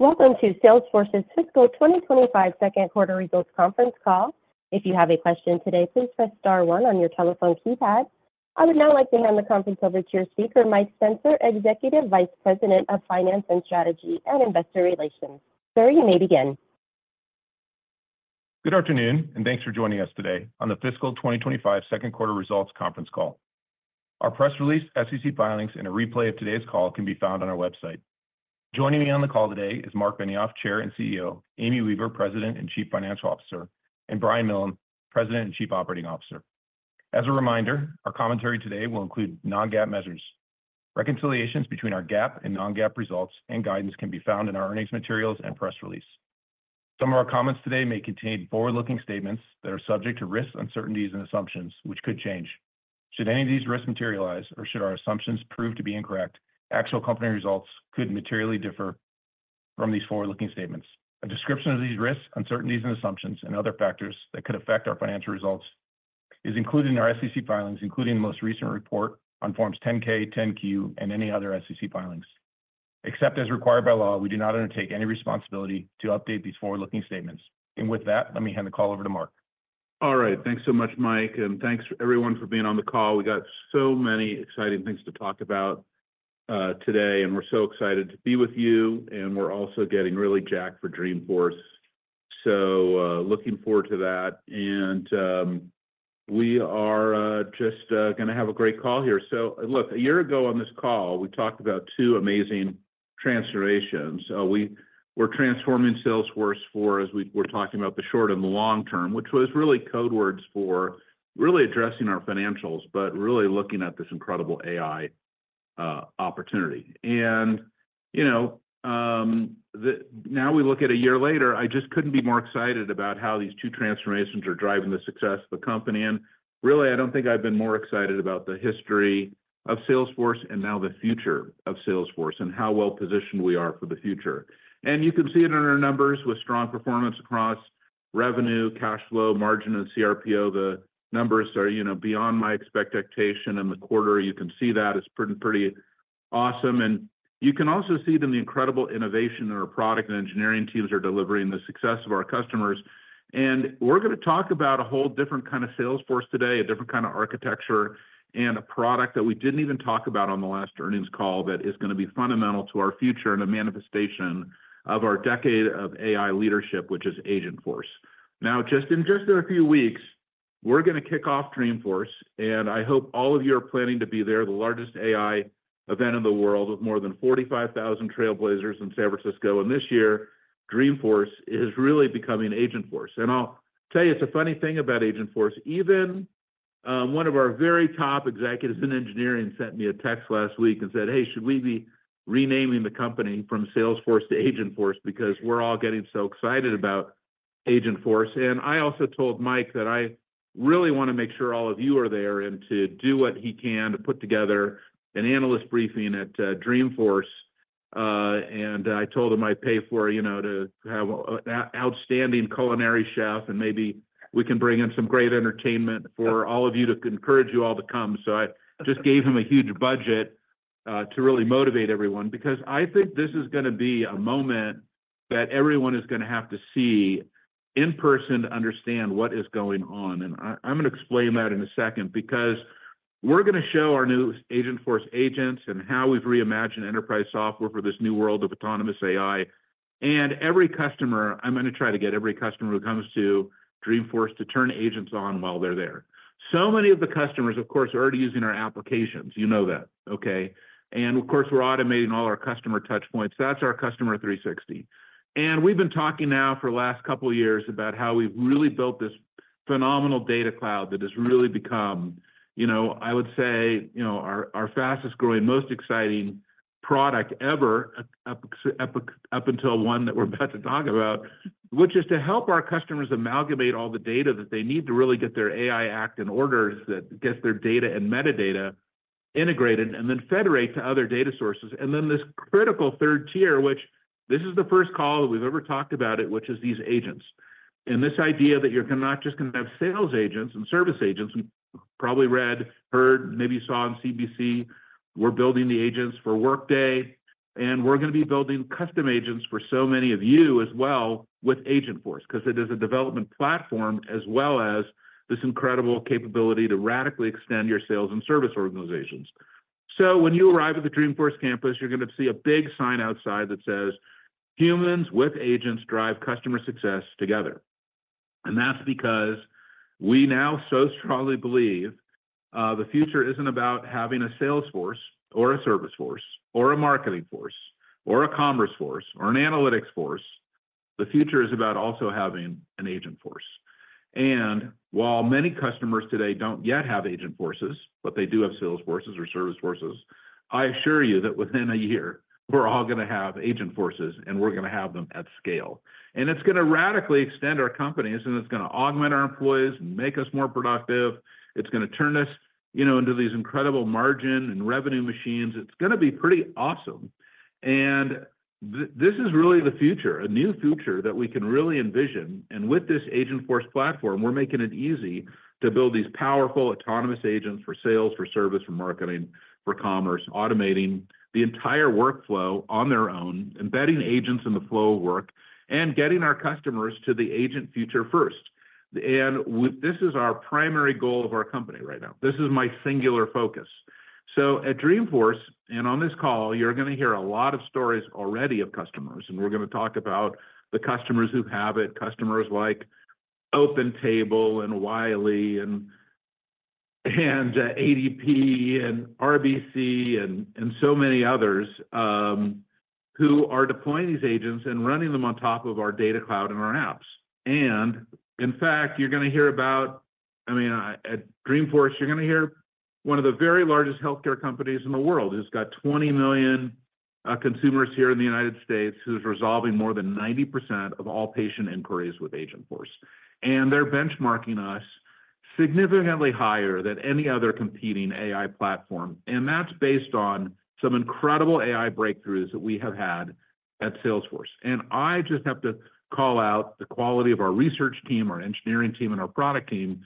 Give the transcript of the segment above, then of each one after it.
Welcome to Salesforce's fiscal 2025 second quarter results conference call. If you have a question today, please press star one on your telephone keypad. I would now like to hand the conference over to your speaker, Mike Spencer, Executive Vice President of Finance and Strategy and Investor Relations. Sir, you may begin. Good afternoon, and thanks for joining us today on the fiscal 2025 second quarter results conference call. Our press release, SEC filings, and a replay of today's call can be found on our website. Joining me on the call today is Marc Benioff, Chair and CEO, Amy Weaver, President and Chief Financial Officer, and Brian Millham, President and Chief Operating Officer. As a reminder, our commentary today will include non-GAAP measures. Reconciliations between our GAAP and non-GAAP results and guidance can be found in our earnings materials and press release. Some of our comments today may contain forward-looking statements that are subject to risks, uncertainties, and assumptions, which could change. Should any of these risks materialize or should our assumptions prove to be incorrect, actual company results could materially differ from these forward-looking statements. A description of these risks, uncertainties, and assumptions and other factors that could affect our financial results is included in our SEC filings, including the most recent report on Form 10-K, 10-Q, and any other SEC filings. Except as required by law, we do not undertake any responsibility to update these forward-looking statements, and with that, let me hand the call over to Marc. All right, thanks so much, Mike, and thanks, everyone, for being on the call. We got so many exciting things to talk about, today, and we're so excited to be with you, and we're also getting really jacked for Dreamforce. Looking forward to that. We are just gonna have a great call here. Look, a year ago on this call, we talked about two amazing transformations. We were transforming Salesforce as we're talking about the short and the long term, which was really code words for really addressing our financials, but really looking at this incredible AI opportunity. You know, now we look at a year later, I just couldn't be more excited about how these two transformations are driving the success of the company. And really, I don't think I've been more excited about the history of Salesforce and now the future of Salesforce and how well-positioned we are for the future. And you can see it in our numbers with strong performance across revenue, cash flow, margin, and CRPO. The numbers are, you know, beyond my expectation. In the quarter, you can see that it's pretty, pretty awesome. And you can also see them, the incredible innovation in our product, and engineering teams are delivering the success of our customers. And we're gonna talk about a whole different kind of Salesforce today, a different kind of architecture, and a product that we didn't even talk about on the last earnings call that is gonna be fundamental to our future and a manifestation of our decade of AI leadership, which is Agentforce. Now, just in a few weeks, we're gonna kick off Dreamforce, and I hope all of you are planning to be there, the largest AI event in the world, with more than 45,000 Trailblazers in San Francisco, and this year, Dreamforce is really becoming Agentforce. I'll tell you, it's a funny thing about Agentforce. Even one of our very top executives in engineering sent me a text last week and said, "Hey, should we be renaming the company from Salesforce to Agentforce? Because we're all getting so excited about Agentforce." I also told Mike that I really wanna make sure all of you are there and to do what he can to put together an analyst briefing at Dreamforce. And I told him I'd pay for, you know, to have an outstanding culinary chef, and maybe we can bring in some great entertainment for all of you to encourage you all to come. So I just gave him a huge budget to really motivate everyone, because I think this is gonna be a moment that everyone is gonna have to see in person to understand what is going on. And I'm gonna explain that in a second, because we're gonna show our new Agentforce agents and how we've reimagined enterprise software for this new world of autonomous AI. And every customer, I'm gonna try to get every customer who comes to Dreamforce to turn agents on while they're there. So many of the customers, of course, are already using our applications. You know that, okay. And of course, we're automating all our customer touch points. That's our Customer 360. And we've been talking now for the last couple of years about how we've really built this phenomenal Data Cloud that has really become, you know, I would say, you know, our fastest-growing, most exciting product ever, up until one that we're about to talk about, which is to help our customers amalgamate all the data that they need to really get their AI act in order, that gets their data and metadata integrated, and then federate to other data sources. And then this critical third tier, which this is the first call that we've ever talked about it, which is these agents. And this idea that you're gonna not just have sales agents and service agents, you probably read, heard, maybe saw on CNBC. We're building the agents for Workday, and we're gonna be building custom agents for so many of you as well with Agentforce, 'cause it is a development platform, as well as this incredible capability to radically extend your sales and service organizations. When you arrive at the Dreamforce campus, you're gonna see a big sign outside that says: "Humans with agents drive customer success together." That's because we now so strongly believe the future isn't about having a sales force, or a service force, or a marketing force, or a commerce force, or an analytics force. The future is about also having an Agentforce. And while many customers today don't yet have Agentforces, but they do have sales forces or service forces, I assure you that within a year, we're all gonna have Agentforces, and we're gonna have them at scale. And it's gonna radically extend our companies, and it's gonna augment our employees and make us more productive. It's gonna turn us, you know, into these incredible margin and revenue machines. It's gonna be pretty awesome. And this is really the future, a new future that we can really envision. And with this Agentforce platform, we're making it easy to build these powerful autonomous agents for sales, for service, for marketing, for commerce, automating the entire workflow on their own, embedding agents in the flow of work, and getting our customers to the agent future first. And this is our primary goal of our company right now. This is my singular focus, so at Dreamforce, and on this call, you're gonna hear a lot of stories already of customers, and we're gonna talk about the customers who have it, customers like OpenTable and Wiley and ADP and RBC and so many others who are deploying these agents and running them on top of our Data Cloud and our apps. In fact, you're gonna hear about, I mean, at Dreamforce, you're gonna hear one of the very largest healthcare companies in the world, who's got 20 million consumers here in the United States, who's resolving more than 90% of all patient inquiries with Agentforce. They're benchmarking us significantly higher than any other competing AI platform, and that's based on some incredible AI breakthroughs that we have had at Salesforce. And I just have to call out the quality of our research team, our engineering team, and our product team,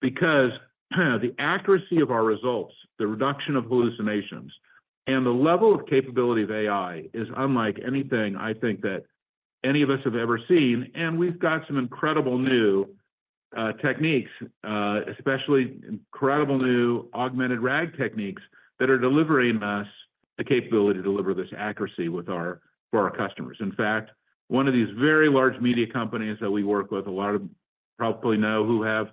because the accuracy of our results, the reduction of hallucinations, and the level of capability of AI is unlike anything, I think, that any of us have ever seen. And we've got some incredible new techniques, especially incredible new augmented RAG techniques, that are delivering us the capability to deliver this accuracy with our- for our customers. In fact, one of these very large media companies that we work with, a lot of you probably know, who have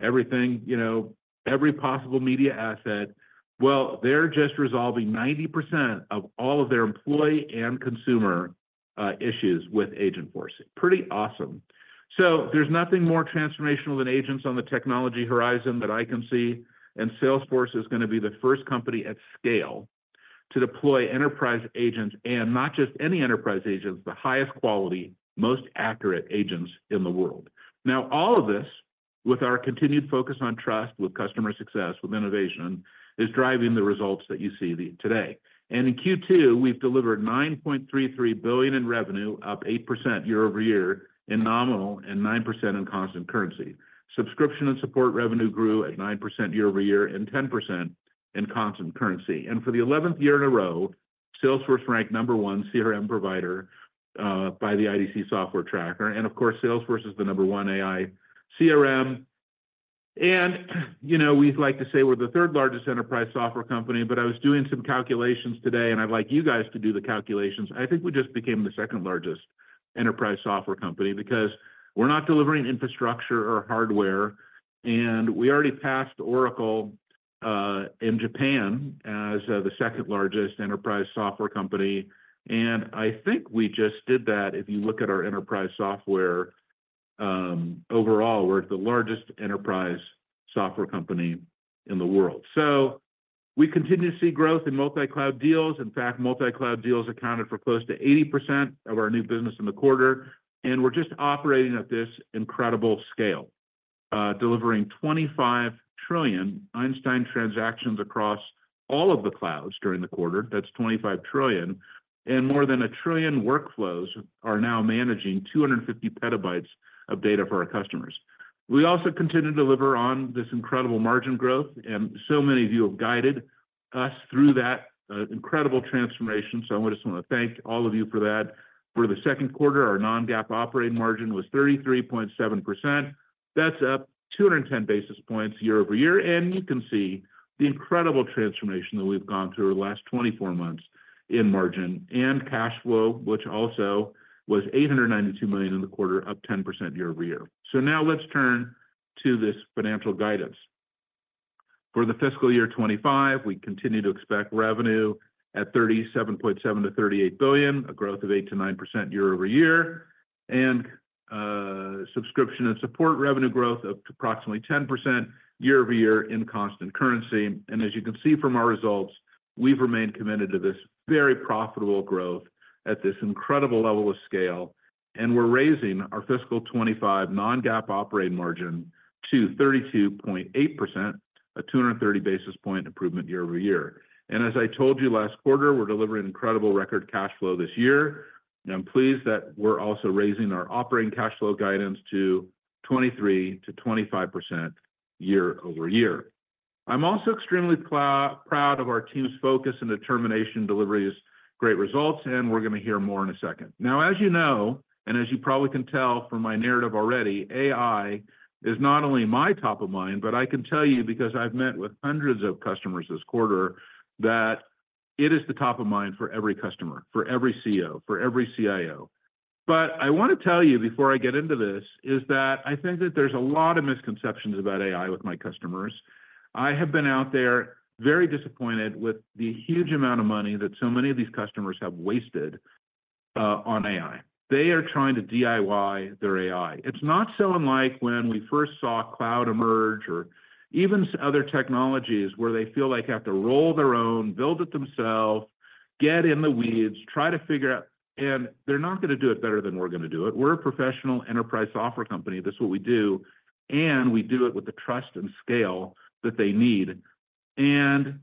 everything, you know, every possible media asset, well, they're just resolving 90% of all of their employee and consumer issues with Agentforce. Pretty awesome. So there's nothing more transformational than agents on the technology horizon that I can see, and Salesforce is gonna be the first company at scale to deploy enterprise agents, and not just any enterprise agents, the highest quality, most accurate agents in the world. Now, all of this, with our continued focus on trust, with customer success, with innovation, is driving the results that you see today. And in Q2, we've delivered $9.33 billion in revenue, up 8% year-over-year in nominal and 9% in constant currency. Subscription and support revenue grew at 9% year-over-year and 10% in constant currency. And for the eleventh year in a row, Salesforce ranked number one CRM provider by the IDC Software Tracker. And of course, Salesforce is the number one AI CRM. You know, we like to say we're the third-largest enterprise software company, but I was doing some calculations today, and I'd like you guys to do the calculations. I think we just became the second-largest enterprise software company, because we're not delivering infrastructure or hardware, and we already passed Oracle in Japan as the second-largest enterprise software company. I think we just did that. If you look at our enterprise software overall, we're the largest enterprise software company in the world. We continue to see growth in multi-cloud deals. In fact, multi-cloud deals accounted for close to 80% of our new business in the quarter, and we're just operating at this incredible scale, delivering 25 trillion Einstein transactions across all of the clouds during the quarter. That's 25 trillion, and more than 1 trillion workflows are now managing 250 petabytes of data for our customers. We also continue to deliver on this incredible margin growth, and so many of you have guided us through that incredible transformation, so I just wanna thank all of you for that. For the second quarter, our non-GAAP operating margin was 33.7%. That's up 210 basis points year-over-year, and you can see the incredible transformation that we've gone through over the last 24 months in margin and cash flow, which also was $892 million in the quarter, up 10% year-over-year. So now let's turn to this financial guidance. For the fiscal year 2025, we continue to expect revenue at $37.7 billion-38 billion, a growth of 8%-9% year-over-year, and subscription and support revenue growth of approximately 10% year-over-year in constant currency. And as you can see from our results, we've remained committed to this very profitable growth at this incredible level of scale, and we're raising our fiscal 2025 non-GAAP operating margin to 32.8%, a 230 basis points improvement year-over-year. And as I told you last quarter, we're delivering incredible record cash flow this year, and I'm pleased that we're also raising our operating cash flow guidance to 23%-25% year-over-year. I'm also extremely proud of our team's focus and determination, delivering these great results, and we're gonna hear more in a second. Now, as you know, and as you probably can tell from my narrative already, AI is not only my top of mind, but I can tell you, because I've met with hundreds of customers this quarter, that it is the top of mind for every customer, for every CEO, for every CIO. But I wanna tell you, before I get into this, is that I think that there's a lot of misconceptions about AI with my customers. I have been out there, very disappointed with the huge amount of money that so many of these customers have wasted on AI. They are trying to DIY their AI. It's not so unlike when we first saw cloud emerge or even other technologies, where they feel they have to roll their own, build it themselves, get in the weeds, try to figure out... They're not gonna do it better than we're gonna do it. We're a professional enterprise software company. This is what we do, and we do it with the trust and scale that they need. And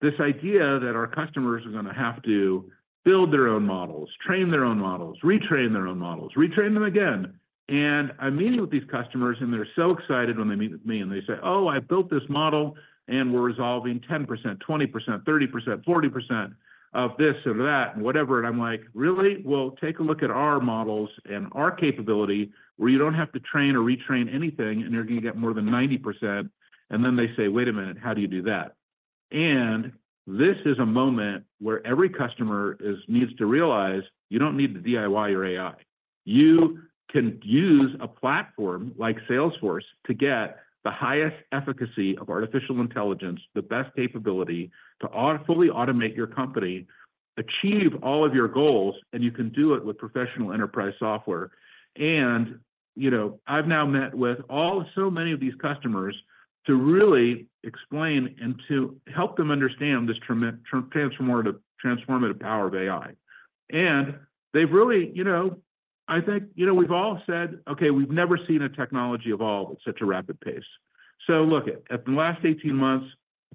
this idea that our customers are gonna have to build their own models, train their own models, retrain their own models, retrain them again. And I'm meeting with these customers, and they're so excited when they meet with me, and they say, "Oh, I built this model, and we're resolving 10%, 20%, 30%, 40% of this or that," and whatever. And I'm like, "Really? Well, take a look at our models and our capability, where you don't have to train or retrain anything, and you're gonna get more than 90%." And then they say, "Wait a minute, how do you do that?"... This is a moment where every customer needs to realize you don't need to DIY your AI. You can use a platform like Salesforce to get the highest efficacy of artificial intelligence, the best capability to fully automate your company, achieve all of your goals, and you can do it with professional enterprise software. You know, I've now met with so many of these customers to really explain and to help them understand this transformative power of AI. They've really, you know, I think, you know, we've all said, "Okay, we've never seen a technology evolve at such a rapid pace." Look at the last eighteen months.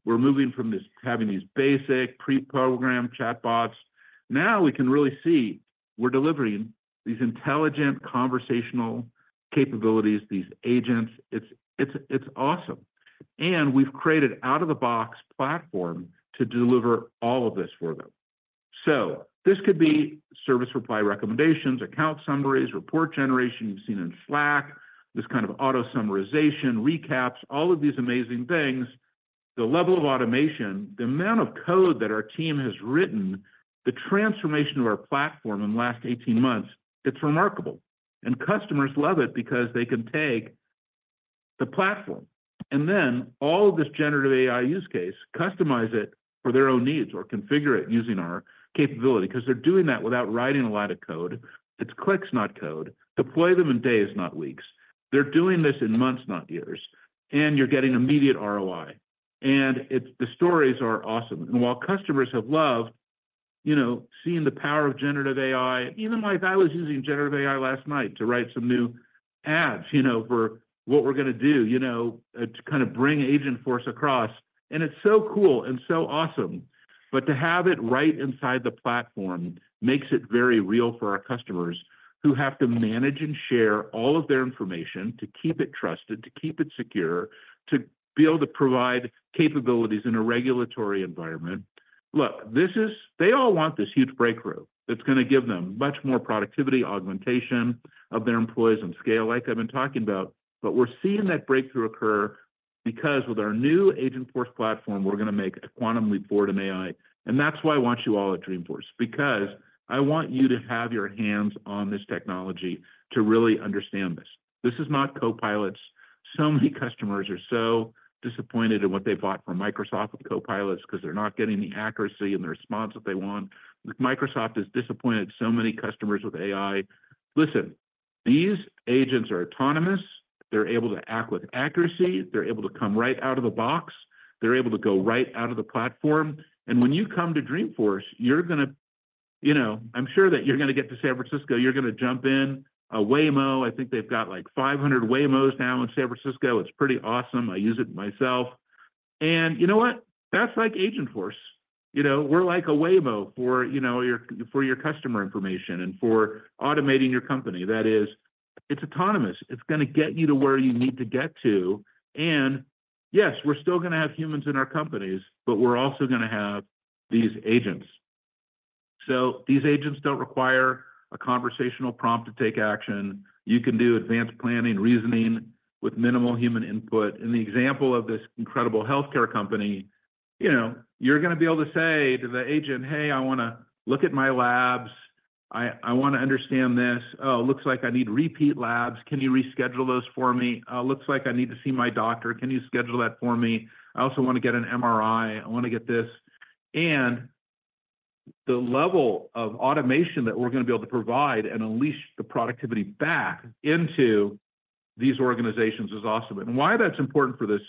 We're moving from having these basic preprogrammed chatbots. Now we can really see we're delivering these intelligent conversational capabilities, these agents. It's awesome. And we've created out-of-the-box platform to deliver all of this for them. So this could be service reply recommendations, account summaries, report generation you've seen in Slack, this kind of auto summarization, recaps, all of these amazing things. The level of automation, the amount of code that our team has written, the transformation of our platform in the last eighteen months, it's remarkable. And customers love it because they can take the platform and then all of this generative AI use case, customize it for their own needs, or configure it using our capability. 'Cause they're doing that without writing a lot of code. It's clicks, not code. Deploy them in days, not weeks. They're doing this in months, not years. And you're getting immediate ROI, and it's, the stories are awesome. And while customers have loved, you know, seeing the power of generative AI, even my... I was using generative AI last night to write some new ads, you know, for what we're going to do, you know, to kind of bring Agentforce across, and it's so cool and so awesome. But to have it right inside the platform makes it very real for our customers who have to manage and share all of their information to keep it trusted, to keep it secure, to be able to provide capabilities in a regulatory environment. Look, this is. They all want this huge breakthrough that's going to give them much more productivity, augmentation of their employees and scale, like I've been talking about. But we're seeing that breakthrough occur because with our new Agentforce platform, we're going to make a quantum leap forward in AI. And that's why I want you all at Dreamforce, because I want you to have your hands on this technology to really understand this. This is not Copilots. So many customers are so disappointed in what they bought from Microsoft with Copilots 'cause they're not getting the accuracy and the response that they want. Microsoft has disappointed so many customers with AI. Listen, these agents are autonomous. They're able to act with accuracy, they're able to come right out of the box, they're able to go right out of the platform. And when you come to Dreamforce, you're going to... You know, I'm sure that you're going to get to San Francisco, you're going to jump in a Waymo. I think they've got, like, 500 Waymos now in San Francisco. It's pretty awesome. I use it myself. And you know what? That's like Agentforce. You know, we're like a Waymo for, you know, your, for your customer information and for automating your company. That is, it's autonomous. It's going to get you to where you need to get to. And yes, we're still going to have humans in our companies, but we're also going to have these agents. So these agents don't require a conversational prompt to take action. You can do advanced planning, reasoning with minimal human input. In the example of this incredible healthcare company, you know, you're going to be able to say to the agent, "Hey, I want to look at my labs. I want to understand this. Oh, looks like I need repeat labs. Can you reschedule those for me? Looks like I need to see my doctor. Can you schedule that for me? I also want to get an MRI. I want to get this," and the level of automation that we're going to be able to provide and unleash the productivity back into these organizations is awesome, and why that's important for this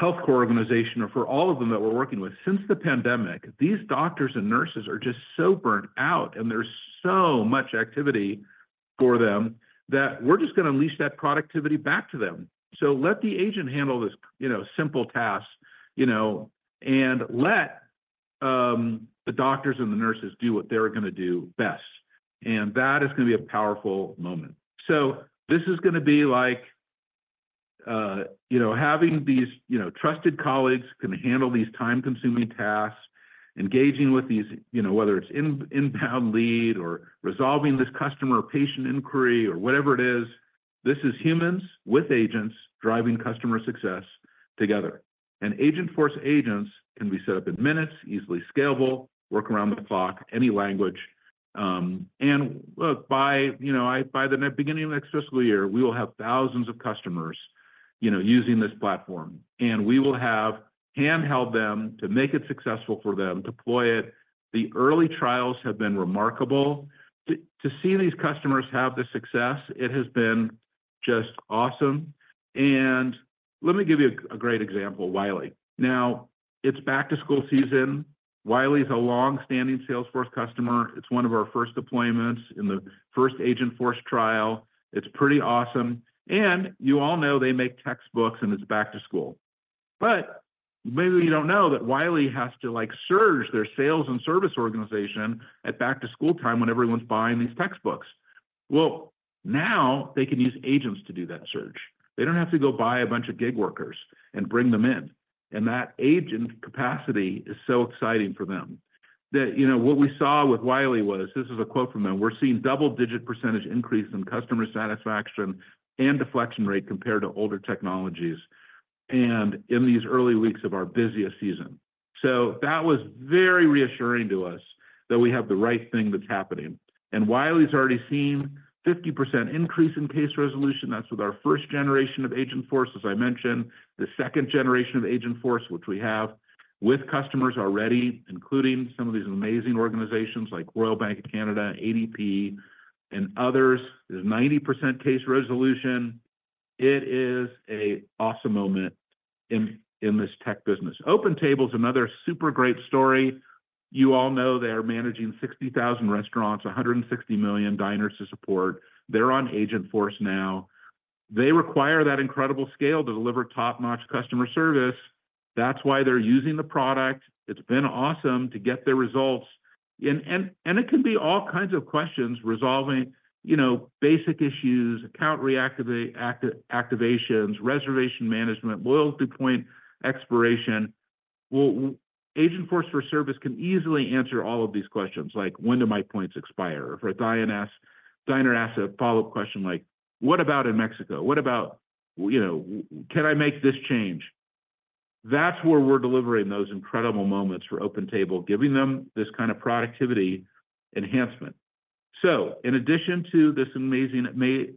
healthcare organization or for all of them that we're working with, since the pandemic, these doctors and nurses are just so burned out, and there's so much activity for them that we're just going to unleash that productivity back to them, so let the agent handle this, you know, simple task, you know, and let the doctors and the nurses do what they're going to do best, and that is going to be a powerful moment. So this is going to be like, you know, having these, you know, trusted colleagues can handle these time-consuming tasks, engaging with these, you know, whether it's inbound lead or resolving this customer or patient inquiry or whatever it is, this is humans with agents driving customer success together. Agentforce agents can be set up in minutes, easily scalable, work around the clock, any language. And look, by, you know, by the beginning of next fiscal year, we will have thousands of customers, you know, using this platform. And we will have helped them to make it successful for them, deploy it. The early trials have been remarkable. To see these customers have this success, it has been just awesome. And let me give you a great example, Wiley. Now, it's back to school season. Wiley is a long-standing Salesforce customer. It's one of our first deployments in the first Agentforce trial. It's pretty awesome, and you all know they make textbooks, and it's back to school, but maybe you don't know that Wiley has to, like, surge their sales and service organization at back-to-school time when everyone's buying these textbooks, well, now they can use agents to do that surge. They don't have to go buy a bunch of gig workers and bring them in, and that agent capacity is so exciting for them, that, you know, what we saw with Wiley was, this is a quote from them: "We're seeing double-digit % increase in customer satisfaction and deflection rate compared to older technologies, and in these early weeks of our busiest season." So that was very reassuring to us that we have the right thing that's happening, and Wiley's already seen 50% increase in case resolution. That's with our first generation of Agentforce, as I mentioned. The second generation of Agentforce, which we have with customers already, including some of these amazing organizations like Royal Bank of Canada, ADP, and others, is 90% case resolution. It is an awesome moment in this tech business. OpenTable's another super great story. You all know they are managing 60,000 restaurants, 160 million diners to support. They're on Agentforce now. They require that incredible scale to deliver top-notch customer service. That's why they're using the product. It's been awesome to get their results. And it can be all kinds of questions resolving, you know, basic issues, account reactivate, activations, reservation management, loyalty point expiration. Agentforce for service can easily answer all of these questions, like, "When do my points expire?" Or if a diner asks a follow-up question like, "What about in Mexico? What about, you know, can I make this change?" That's where we're delivering those incredible moments for OpenTable, giving them this kind of productivity enhancement. In addition to this amazing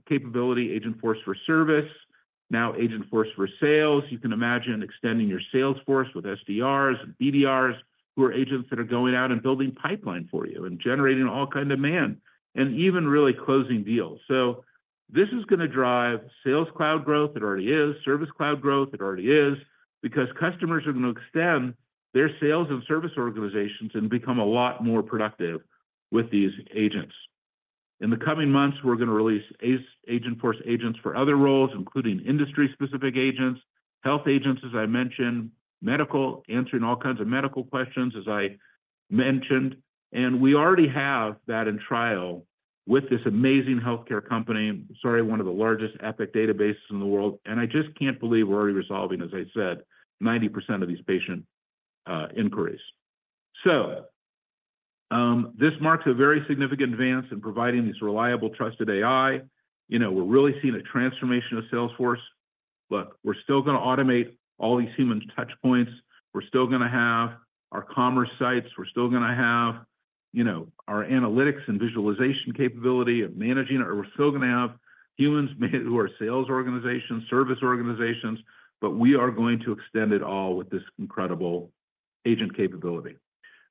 capability, Agentforce for service, now Agentforce for sales, you can imagine extending your sales force with SDRs and BDRs, who are agents that are going out and building pipeline for you and generating all kind of demand, and even really closing deals. This is gonna drive Sales Cloud growth, it already is. Service Cloud growth, it already is, because customers are going to extend their sales and service organizations and become a lot more productive with these agents. In the coming months, we're gonna release Agentforce agents for other roles, including industry-specific agents, health agents, as I mentioned, medical, answering all kinds of medical questions, as I mentioned, and we already have that in trial with this amazing healthcare company, one of the largest Epic databases in the world. I just can't believe we're already resolving, as I said, 90% of these patient inquiries. This marks a very significant advance in providing this reliable, trusted AI. You know, we're really seeing a transformation of Salesforce, but we're still gonna automate all these human touch points. We're still gonna have our commerce sites. We're still gonna have, you know, our analytics and visualization capability of managing. We're still gonna have humans who are sales organizations, service organizations, but we are going to extend it all with this incredible agent capability.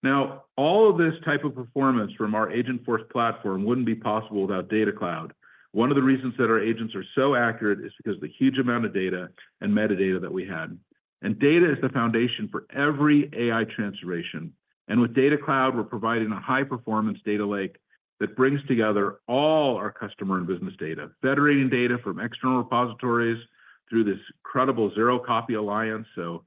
Now, all of this type of performance from our Agentforce platform wouldn't be possible without Data Cloud. One of the reasons that our agents are so accurate is because of the huge amount of data and metadata that we had. And data is the foundation for every AI transformation. And with Data Cloud, we're providing a high-performance data lake that brings together all our customer and business data, federating data from external repositories through this incredible Zero Copy Alliance, so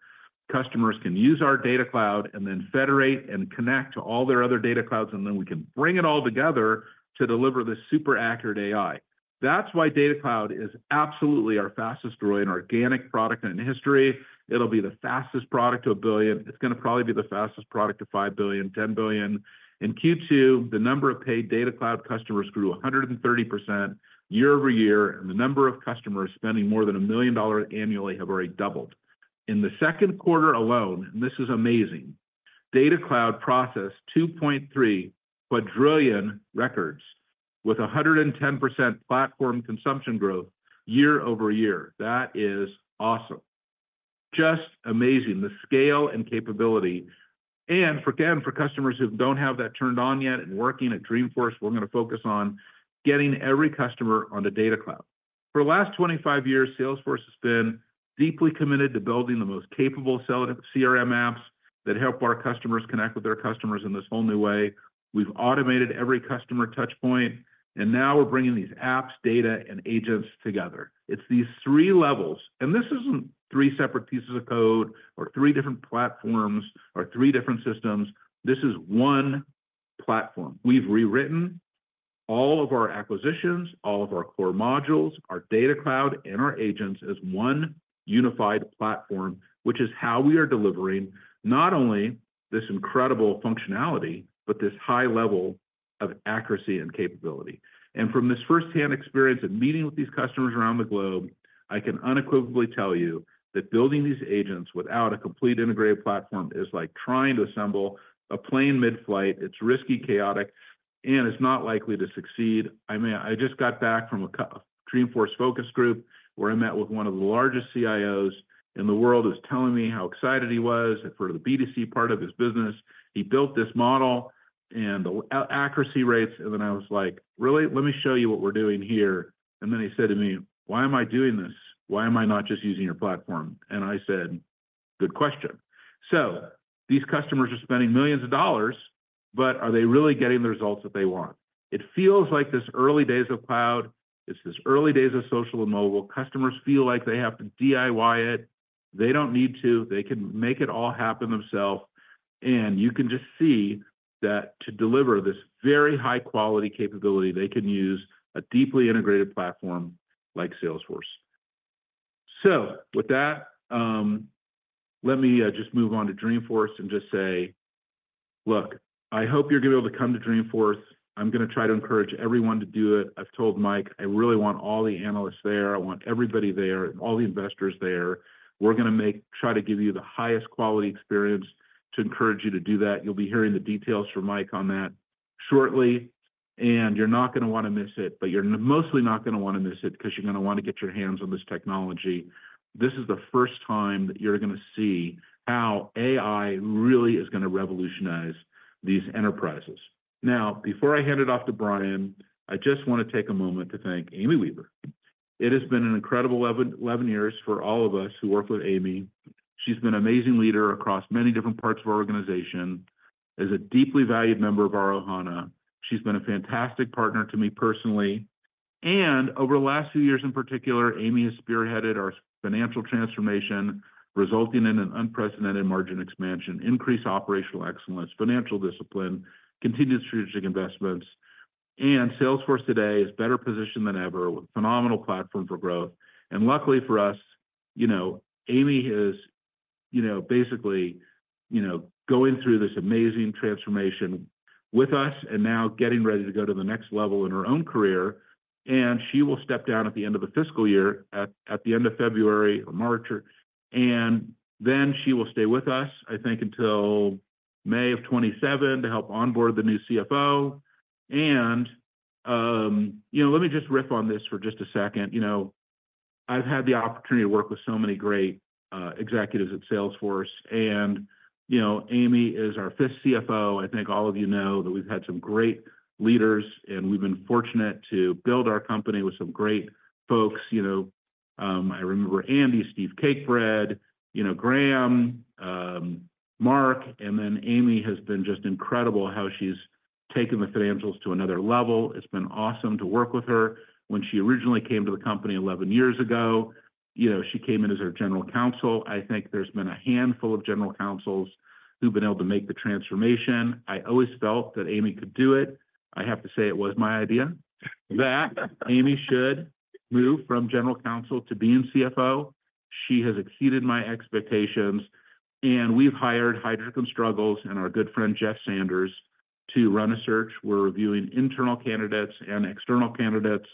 customers can use our Data Cloud and then federate and connect to all their other data clouds, and then we can bring it all together to deliver this super accurate AI. That's why Data Cloud is absolutely our fastest-growing organic product in history. It'll be the fastest product to a billion. It's gonna probably be the fastest product to five billion, ten billion. In Q2, the number of paid Data Cloud customers grew 130% year-over-year, and the number of customers spending more than $1 million annually have already doubled. In the second quarter alone, and this is amazing, Data Cloud processed 2.3 quadrillion records with 110% platform consumption growth year-over-year. That is awesome. Just amazing, the scale and capability. And again, for customers who don't have that turned on yet and working at Dreamforce, we're gonna focus on getting every customer on the Data Cloud. For the last 25 years, Salesforce has been deeply committed to building the most capable Sales CRM apps that help our customers connect with their customers in this whole new way. We've automated every customer touch point, and now we're bringing these apps, data, and agents together. It's these three levels, and this isn't three separate pieces of code or three different platforms or three different systems. This is one platform. We've rewritten all of our acquisitions, all of our core modules, our Data Cloud, and our agents as one unified platform, which is how we are delivering not only this incredible functionality, but this high level of accuracy and capability. And from this firsthand experience of meeting with these customers around the globe, I can unequivocally tell you that building these agents without a complete integrated platform is like trying to assemble a plane mid-flight. It's risky, chaotic, and it's not likely to succeed. I mean, I just got back from a Dreamforce focus group, where I met with one of the largest CIOs in the world, who was telling me how excited he was for the B2C part of his business. He built this model and the accuracy rates, and then I was like: "Really? Let me show you what we're doing here." And then he said to me, "Why am I doing this? Why am I not just using your platform?" And I said: "Good question." So these customers are spending millions of dollars, but are they really getting the results that they want? It feels like this early days of cloud, it's this early days of social and mobile. Customers feel like they have to DIY it. They don't need to. They can make it all happen themselves. And you can just see that to deliver this very high-quality capability, they can use a deeply integrated platform like Salesforce... So with that, let me just move on to Dreamforce and just say: Look, I hope you're gonna be able to come to Dreamforce. I'm gonna try to encourage everyone to do it. I've told Mike, I really want all the analysts there. I want everybody there, and all the investors there. We're gonna try to give you the highest quality experience to encourage you to do that. You'll be hearing the details from Mike on that shortly, and you're not gonna wanna miss it, but you're mostly not gonna wanna miss it 'cause you're gonna wanna get your hands on this technology. This is the first time that you're gonna see how AI really is gonna revolutionize these enterprises. Now, before I hand it off to Brian, I just wanna take a moment to thank Amy Weaver. It has been an incredible 11 years for all of us who work with Amy. She's been an amazing leader across many different parts of our organization, is a deeply valued member of our Ohana. She's been a fantastic partner to me personally, and over the last few years in particular, Amy has spearheaded our financial transformation, resulting in an unprecedented margin expansion, increased operational excellence, financial discipline, continued strategic investments, and Salesforce today is better positioned than ever with phenomenal platform for growth, and luckily for us, you know, Amy is, you know, basically, you know, going through this amazing transformation with us and now getting ready to go to the next level in her own career, and she will step down at the end of the fiscal year, at the end of February or March, and then she will stay with us, I think, until May of 2027 to help onboard the new CFO. You know, let me just riff on this for just a second. You know, I've had the opportunity to work with so many great executives at Salesforce, and you know, Amy is our fifth CFO. I think all of you know that we've had some great leaders, and we've been fortunate to build our company with some great folks. You know, I remember Andy, Steve Cakebread, you know, Graham, Mark, and then Amy has been just incredible how she's taken the financials to another level. It's been awesome to work with her. When she originally came to the company eleven years ago, you know, she came in as our general counsel. I think there's been a handful of general counsels who've been able to make the transformation. I always felt that Amy could do it. I have to say it was my idea, that Amy should move from general counsel to being CFO. She has exceeded my expectations, and we've hired Heidrick & Struggles and our good friend, Jeff Sanders, to run a search. We're reviewing internal candidates and external candidates.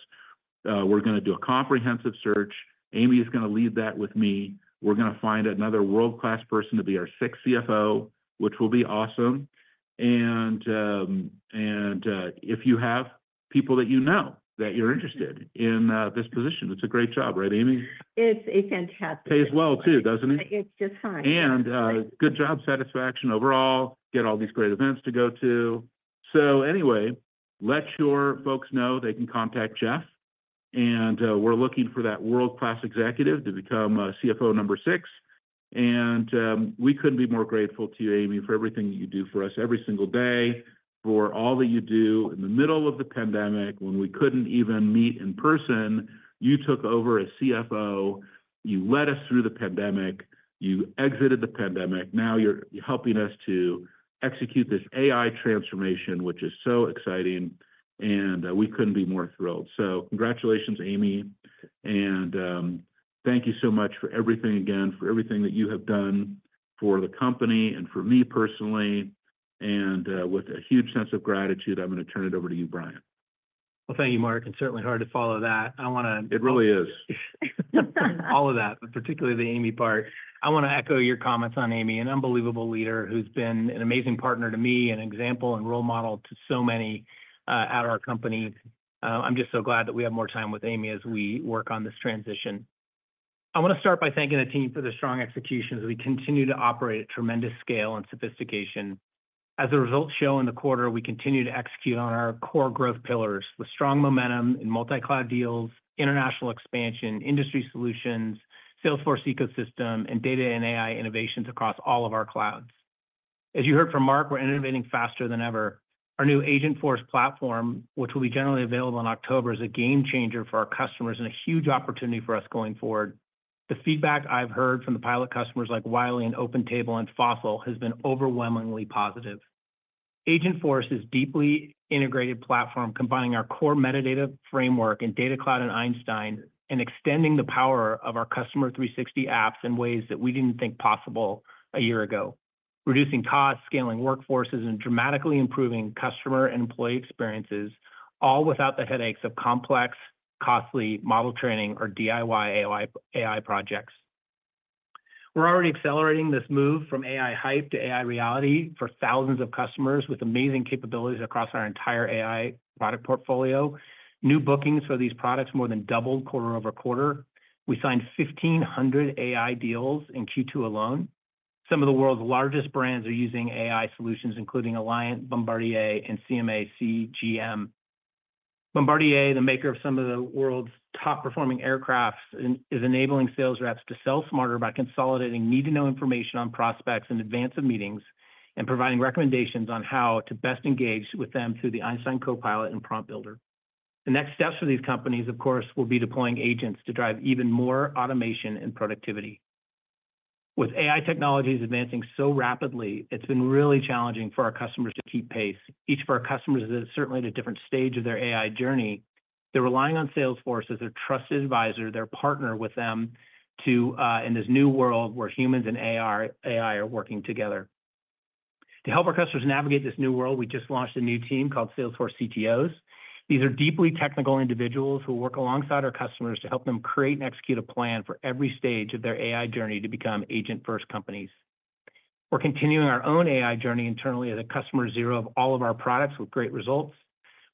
We're gonna do a comprehensive search. Amy is gonna lead that with me. We're gonna find another world-class person to be our sixth CFO, which will be awesome, and if you have people that you know, that you're interested in, this position, it's a great job, right, Amy? It's a fantastic- Pays well, too, doesn't it? It's just fine. And good job satisfaction overall, get all these great events to go to. So anyway, let your folks know they can contact Jeff, and we're looking for that world-class executive to become CFO number six, and we couldn't be more grateful to you, Amy, for everything you do for us every single day, for all that you do. In the middle of the pandemic, when we couldn't even meet in person, you took over as CFO, you led us through the pandemic, you exited the pandemic. Now you're helping us to execute this AI transformation, which is so exciting, and we couldn't be more thrilled. So congratulations, Amy, and thank you so much for everything, again, for everything that you have done for the company and for me personally, and with a huge sense of gratitude, I'm gonna turn it over to you, Brian. Thank you, Marc, and certainly hard to follow that. I wanna- It really is. All of that, but particularly the Amy part. I wanna echo your comments on Amy, an unbelievable leader who's been an amazing partner to me, an example and role model to so many at our company. I'm just so glad that we have more time with Amy as we work on this transition. I wanna start by thanking the team for the strong execution as we continue to operate at tremendous scale and sophistication. As the results show in the quarter, we continue to execute on our core growth pillars with strong momentum in multi-cloud deals, international expansion, industry solutions, Salesforce ecosystem, and data and AI innovations across all of our clouds. As you heard from Marc, we're innovating faster than ever. Our new Agentforce platform, which will be generally available in October, is a game changer for our customers and a huge opportunity for us going forward. The feedback I've heard from the pilot customers like Wiley and OpenTable and Fossil has been overwhelmingly positive. Agentforce is deeply integrated platform, combining our core metadata framework and Data Cloud and Einstein, and extending the power of our Customer 360 apps in ways that we didn't think possible a year ago. Reducing costs, scaling workforces, and dramatically improving customer and employee experiences, all without the headaches of complex, costly model training or DIY AI, AI projects. We're already accelerating this move from AI hype to AI reality for thousands of customers with amazing capabilities across our entire AI product portfolio. New bookings for these products more than doubled quarter over quarter. We signed 1,500 AI deals in Q2 alone. Some of the world's largest brands are using AI solutions, including Alliant, Bombardier, and CMA CGM. Bombardier, the maker of some of the world's top-performing aircraft, is enabling sales reps to sell smarter by consolidating need-to-know information on prospects in advance of meetings, and providing recommendations on how to best engage with them through the Einstein Copilot and Prompt Builder. The next steps for these companies, of course, will be deploying agents to drive even more automation and productivity. With AI technologies advancing so rapidly, it's been really challenging for our customers to keep pace. Each of our customers is certainly at a different stage of their AI journey. They're relying on Salesforce as their trusted advisor, their partner with them to in this new world where humans and AI are working together. To help our customers navigate this new world, we just launched a new team called Salesforce CTOs. These are deeply technical individuals who work alongside our customers to help them create and execute a plan for every stage of their AI journey to become agent-first companies. We're continuing our own AI journey internally as a customer zero of all of our products with great results.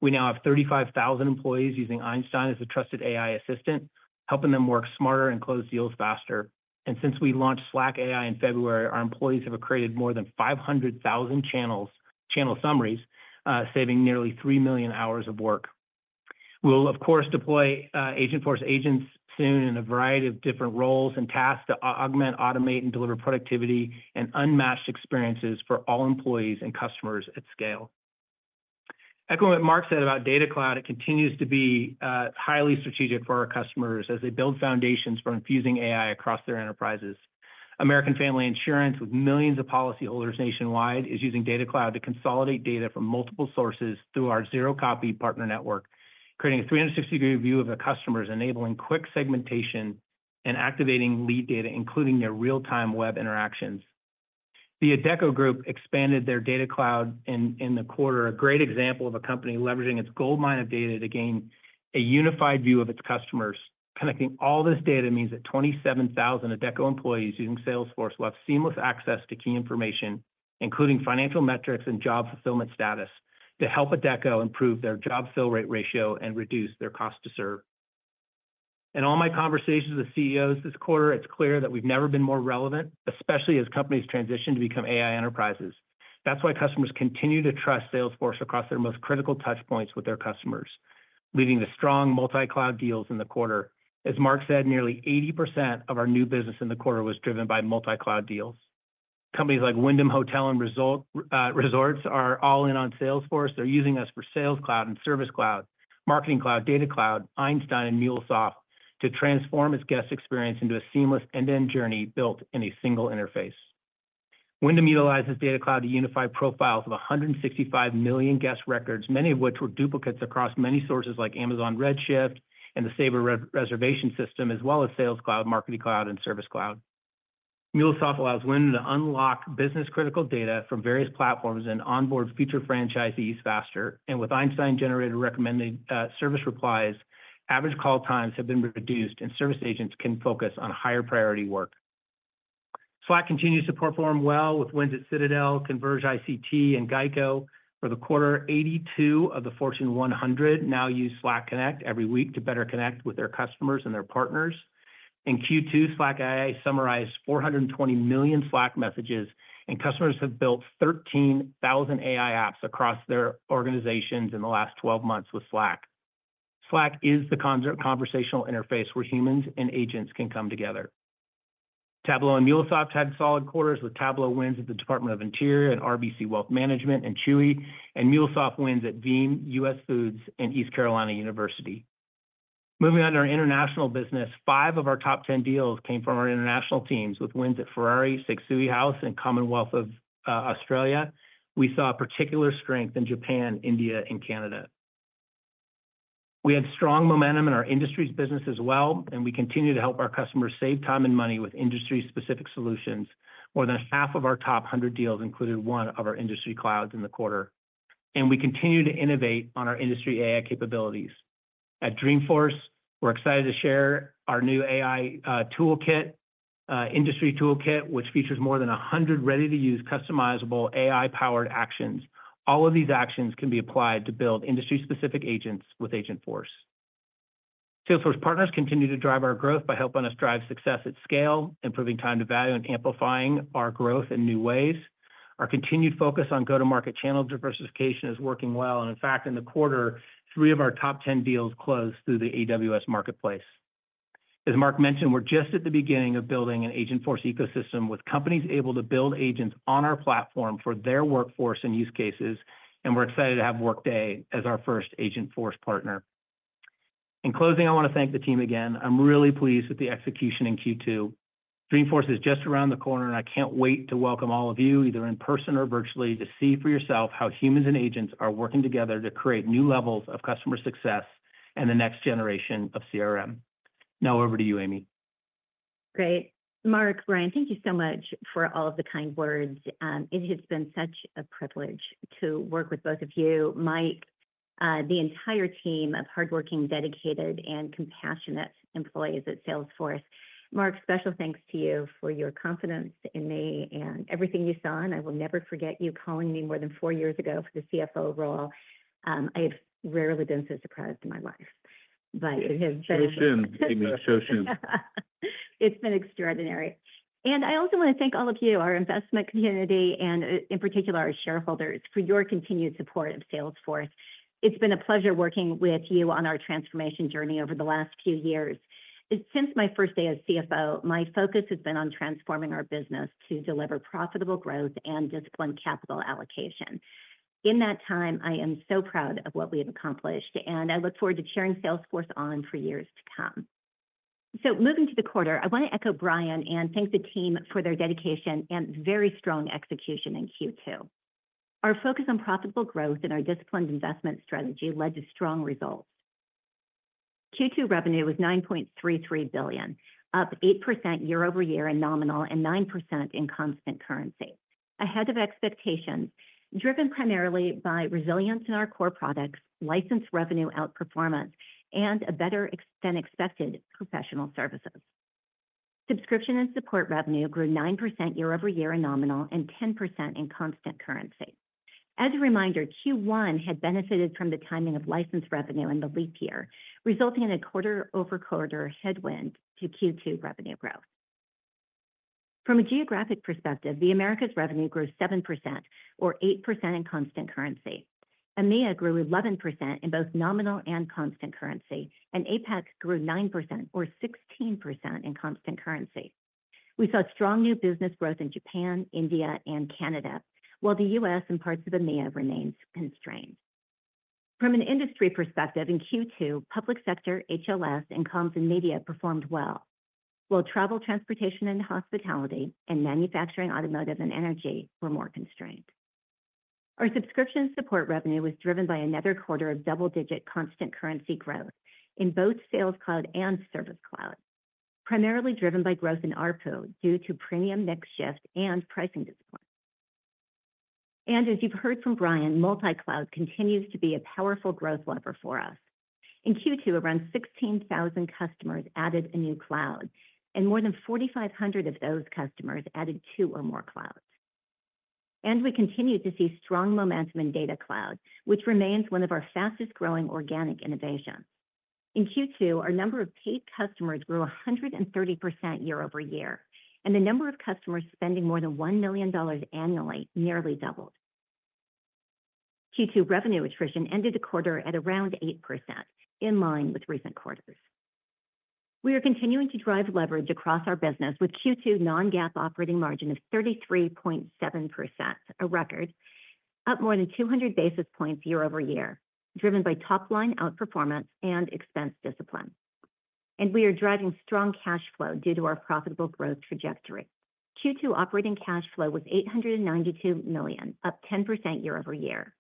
We now have 35,000 employees using Einstein as a trusted AI assistant, helping them work smarter and close deals faster. And since we launched Slack AI in February, our employees have created more than 500,000 channels, channel summaries, saving nearly 3 million hours of work. We'll, of course, deploy Agentforce agents soon in a variety of different roles and tasks to augment, automate, and deliver productivity and unmatched experiences for all employees and customers at scale. Echoing what Marc said about Data Cloud, it continues to be highly strategic for our customers as they build foundations for infusing AI across their enterprises. American Family Insurance, with millions of policyholders nationwide, is using Data Cloud to consolidate data from multiple sources through our zero-copy partner network, creating a 360-degree view of the customers, enabling quick segmentation and activating lead data, including their real-time web interactions. The Adecco Group expanded their Data Cloud in the quarter, a great example of a company leveraging its goldmine of data to gain a unified view of its customers. Connecting all this data means that 27,000 Adecco employees using Salesforce will have seamless access to key information, including financial metrics and job fulfillment status, to help Adecco improve their job fill rate ratio and reduce their cost to serve. In all my conversations with CEOs this quarter, it's clear that we've never been more relevant, especially as companies transition to become AI enterprises. That's why customers continue to trust Salesforce across their most critical touch points with their customers, leading to strong multi-cloud deals in the quarter. As Marc said, nearly 80% of our new business in the quarter was driven by multi-cloud deals. Companies like Wyndham Hotels and Resorts are all in on Salesforce. They're using us for Sales Cloud and Service Cloud, Marketing Cloud, Data Cloud, Einstein, and MuleSoft to transform its guest experience into a seamless end-to-end journey built in a single interface. Wyndham utilizes Data Cloud to unify profiles of 165 million guest records, many of which were duplicates across many sources like Amazon Redshift and the Sabre reservation system, as well as Sales Cloud, Marketing Cloud, and Service Cloud. MuleSoft allows Wyndham to unlock business-critical data from various platforms and onboard future franchisees faster, and with Einstein-generated recommended service replies, average call times have been reduced, and service agents can focus on higher priority work. Slack continues to perform well with wins at Citadel, Converge ICT, and GEICO. For the quarter, 82 of the Fortune 100 now use Slack Connect every week to better connect with their customers and their partners. In Q2, Slack AI summarized 420 million Slack messages, and customers have built 13,000 AI apps across their organizations in the last twelve months with Slack. Slack is the conversational interface where humans and agents can come together. Tableau and MuleSoft had solid quarters, with Tableau wins at the Department of the Interior and RBC Wealth Management and Chewy, and MuleSoft wins at Veeam, US Foods, and East Carolina University. Moving on to our international business, five of our top 10 deals came from our international teams, with wins at Ferrari, Sekisui House, and Commonwealth of Australia. We saw particular strength in Japan, India, and Canada. We had strong momentum in our industries business as well, and we continue to help our customers save time and money with industry-specific solutions. More than half of our top 100 deals included one of our industry clouds in the quarter, and we continue to innovate on our industry AI capabilities. At Dreamforce, we're excited to share our new AI industry toolkit, which features more than 100 ready-to-use, customizable AI-powered actions. All of these actions can be applied to build industry-specific agents with Agentforce. Salesforce partners continue to drive our growth by helping us drive success at scale, improving time to value, and amplifying our growth in new ways. Our continued focus on go-to-market channel diversification is working well, and in fact, in the quarter, three of our top 10 deals closed through the AWS Marketplace. As Marc mentioned, we're just at the beginning of building an Agentforce ecosystem, with companies able to build agents on our platform for their workforce and use cases, and we're excited to have Workday as our first Agentforce partner. In closing, I want to thank the team again. I'm really pleased with the execution in Q2. Dreamforce is just around the corner, and I can't wait to welcome all of you, either in person or virtually, to see for yourself how humans and agents are working together to create new levels of customer success and the next generation of CRM. Now, over to you, Amy. Great. Marc, Brian, thank you so much for all of the kind words. It has been such a privilege to work with both of you, Mike, the entire team of hardworking, dedicated, and compassionate employees at Salesforce. Marc, special thanks to you for your confidence in me and everything you saw, and I will never forget you calling me more than four years ago for the CFO role. I've rarely been so surprised in my life, but it has been- So soon, Amy. So soon. It's been extraordinary. And I also want to thank all of you, our investment community, and in particular, our shareholders, for your continued support of Salesforce. It's been a pleasure working with you on our transformation journey over the last few years. And since my first day as CFO, my focus has been on transforming our business to deliver profitable growth and disciplined capital allocation. In that time, I am so proud of what we have accomplished, and I look forward to cheering Salesforce on for years to come. So moving to the quarter, I want to echo Brian and thank the team for their dedication and very strong execution in Q2. Our focus on profitable growth and our disciplined investment strategy led to strong results. Q2 revenue was $9.33 billion, up 8% year-over-year in nominal and 9% in constant currency. Ahead of expectations, driven primarily by resilience in our core products, license revenue outperformance, and a better than expected professional services. Subscription and support revenue grew 9% year-over-year in nominal and 10% in constant currency. As a reminder, Q1 had benefited from the timing of license revenue in the leap year, resulting in a quarter over quarter headwind to Q2 revenue growth. From a geographic perspective, the Americas revenue grew 7% or 8% in constant currency. EMEA grew 11% in both nominal and constant currency, and APAC grew 9% or 16% in constant currency. We saw strong new business growth in Japan, India, and Canada, while the U.S. and parts of EMEA remains constrained. From an industry perspective, in Q2, public sector, HLS, and comms and media performed well, while travel, transportation, and hospitality and manufacturing, automotive, and energy were more constrained. Our subscription support revenue was driven by another quarter of double-digit constant currency growth in both Sales Cloud and Service Cloud, primarily driven by growth in ARPU, due to premium mix shift and pricing discipline. And as you've heard from Brian, multi-cloud continues to be a powerful growth lever for us. In Q2, around 16,000 customers added a new cloud, and more than 4,500 of those customers added two or more clouds. And we continue to see strong momentum in Data Cloud, which remains one of our fastest growing organic innovations. In Q2, our number of paid customers grew 130% year-over-year, and the number of customers spending more than $1 million annually nearly doubled. Q2 revenue attrition ended the quarter at around 8%, in line with recent quarters. We are continuing to drive leverage across our business with Q2 non-GAAP operating margin of 33.7%, a record, up more than 200 basis points year-over-year, driven by top-line outperformance and expense discipline. And we are driving strong cash flow due to our profitable growth trajectory. Q2 operating cash flow was $892 million, up 10% year-over-year.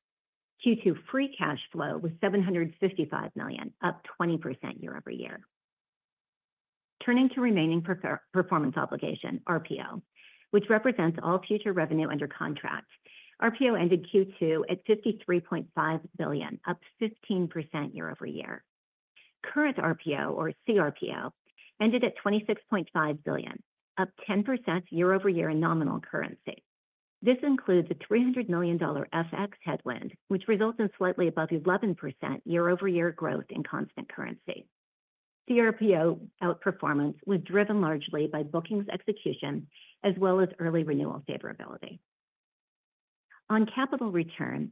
Q2 free cash flow was $755 million, up 20% year-over-year. Turning to remaining performance obligation, RPO, which represents all future revenue under contract. RPO ended Q2 at $53.5 billion, up 15% year-over-year. Current RPO, or CRPO, ended at $26.5 billion, up 10% year-over-year in nominal currency. This includes a $300 million dollar FX headwind, which results in slightly above 11% year-over-year growth in constant currency. CRPO outperformance was driven largely by bookings execution, as well as early renewal favorability. On capital return,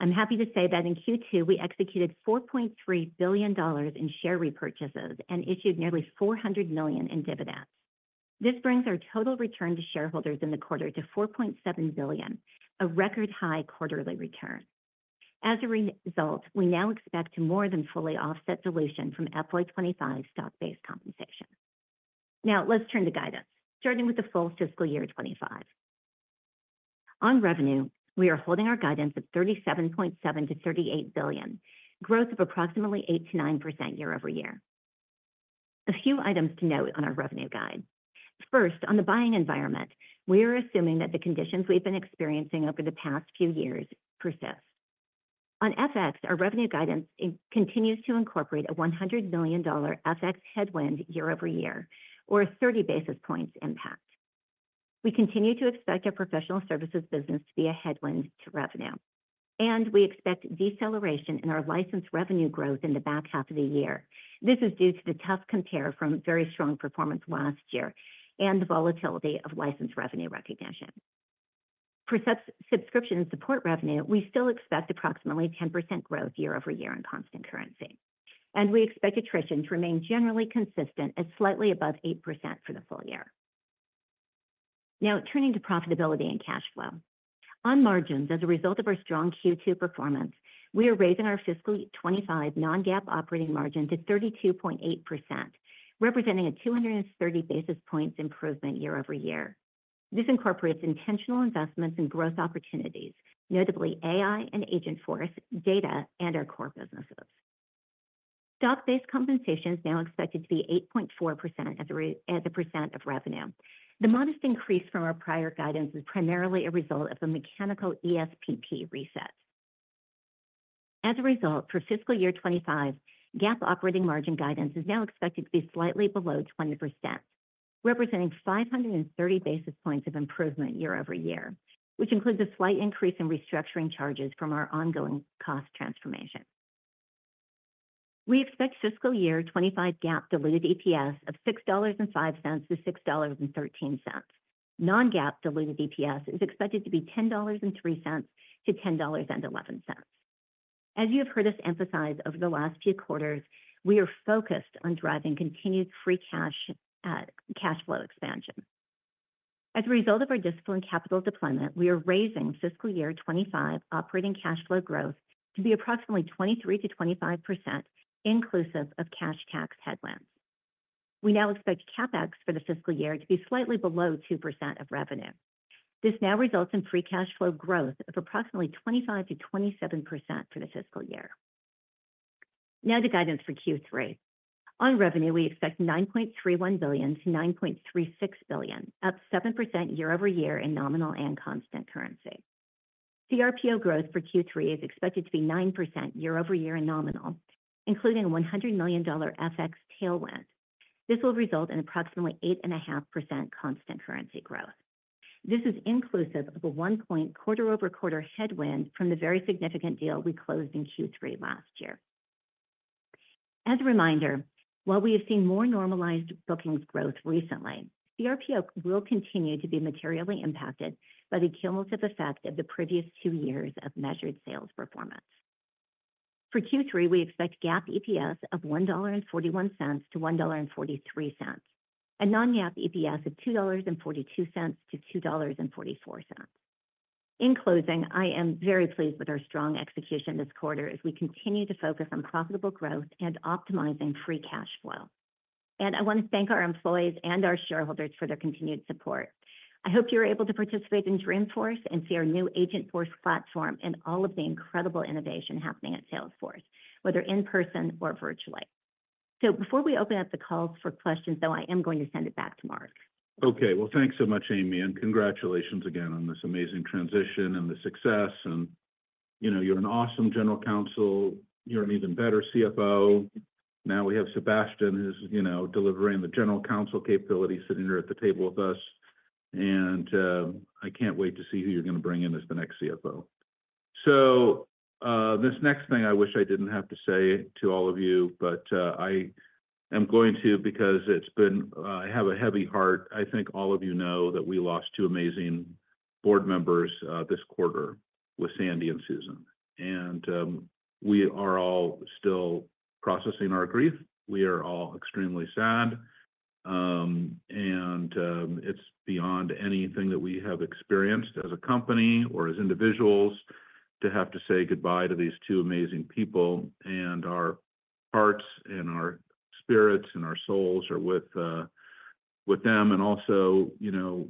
I'm happy to say that in Q2, we executed $4.3 billion dollars in share repurchases and issued nearly $400 million in dividends. This brings our total return to shareholders in the quarter to $4.7 billion, a record high quarterly return. As a result, we now expect to more than fully offset dilution from FY 2025 stock-based compensation. Now, let's turn to guidance, starting with the full fiscal year 2025. On revenue, we are holding our guidance of $37.7-38 billion, growth of approximately 8%-9% year-over-year. A few items to note on our revenue guide. First, on the buying environment, we are assuming that the conditions we've been experiencing over the past few years persist. On FX, our revenue guidance continues to incorporate a $100 million FX headwind year-over-year, or a 30 basis points impact. We continue to expect our professional services business to be a headwind to revenue, and we expect deceleration in our licensed revenue growth in the back half of the year. This is due to the tough compare from very strong performance last year and the volatility of license revenue recognition. For subscription and support revenue, we still expect approximately 10% growth year-over-year in constant currency, and we expect attrition to remain generally consistent at slightly above 8% for the full-year. Now, turning to profitability and cash flow. On margins, as a result of our strong Q2 performance, we are raising our fiscal 2025 non-GAAP operating margin to 32.8%, representing a 230 basis points improvement year-over-year. This incorporates intentional investments in growth opportunities, notably AI and Agentforce, data, and our core businesses. Stock-based compensation is now expected to be 8.4% as a percent of revenue. The modest increase from our prior guidance is primarily a result of the mechanical ESPP reset. As a result, for fiscal year 2025, GAAP operating margin guidance is now expected to be slightly below 20%, representing 530 basis points of improvement year-over-year, which includes a slight increase in restructuring charges from our ongoing cost transformation. We expect fiscal year 2025 GAAP diluted EPS of $6.05-6.13. Non-GAAP diluted EPS is expected to be $10.03-10.11. As you have heard us emphasize over the last few quarters, we are focused on driving continued free cash, cash flow expansion. As a result of our disciplined capital deployment, we are raising fiscal year 2025 operating cash flow growth to be approximately 23%-25%, inclusive of cash tax headwinds. We now expect CapEx for the fiscal year to be slightly below 2% of revenue. This now results in free cash flow growth of approximately 25%-27% for the fiscal year. Now the guidance for Q3. On revenue, we expect $9.31 billion-9.36 billion, up 7% year-over-year in nominal and constant currency. CRPO growth for Q3 is expected to be 9% year-over-year in nominal, including $100 million FX tailwind. This will result in approximately 8.5% constant currency growth. This is inclusive of a 1-point quarter-over-quarter headwind from the very significant deal we closed in Q3 last year. As a reminder, while we have seen more normalized bookings growth recently, CRPO will continue to be materially impacted by the cumulative effect of the previous two years of measured sales performance. For Q3, we expect GAAP EPS of $1.41-1.43, and non-GAAP EPS of $2.42-2.44. In closing, I am very pleased with our strong execution this quarter as we continue to focus on profitable growth and optimizing free cash flow. And I wanna thank our employees and our shareholders for their continued support. I hope you were able to participate in Dreamforce and see our new Agentforce platform and all of the incredible innovation happening at Salesforce, whether in person or virtually. So before we open up the call for questions, though, I am going to send it back to Marc. Okay, well, thanks so much, Amy, and congratulations again on this amazing transition and the success, and, you know, you're an awesome general counsel. You're an even better CFO. Now, we have Sebastian, who's, you know, delivering the general counsel capability, sitting here at the table with us, and I can't wait to see who you're gonna bring in as the next CFO. So, this next thing I wish I didn't have to say to all of you, but I am going to because it's been, I have a heavy heart. I think all of you know that we lost two amazing board members, this quarter with Sandy and Susan, and we are all still processing our grief. We are all extremely sad, and it's beyond anything that we have experienced as a company or as individuals, to have to say goodbye to these two amazing people, and our hearts and our spirits and our souls are with them. And also, you know,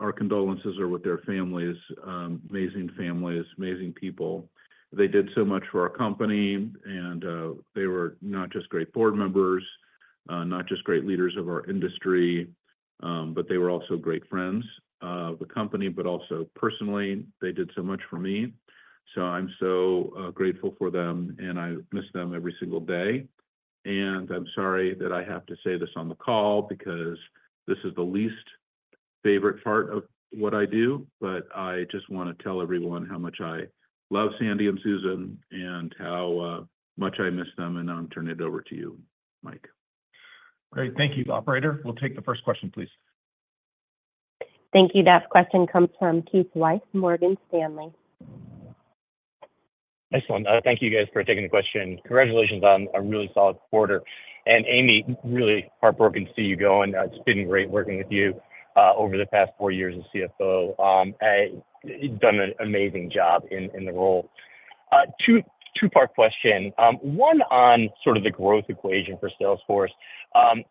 our condolences are with their families, amazing families, amazing people. They did so much for our company, and they were not just great board members, not just great leaders of our industry, but they were also great friends of the company, but also personally, they did so much for me. So I'm so grateful for them, and I miss them every single day. I'm sorry that I have to say this on the call because this is the least favorite part of what I do, but I just wanna tell everyone how much I love Sandy and Susan and how much I miss them. Now I'll turn it over to you, Mike. Great. Thank you. Operator, we'll take the first question, please. Thank you. That question comes from Keith Weiss, Morgan Stanley. Excellent. Thank you guys for taking the question. Congratulations on a really solid quarter, and Amy, really heartbroken to see you go, and it's been great working with you over the past four years as CFO. You've done an amazing job in the role. Two-part question. One on sort of the growth equation for Salesforce.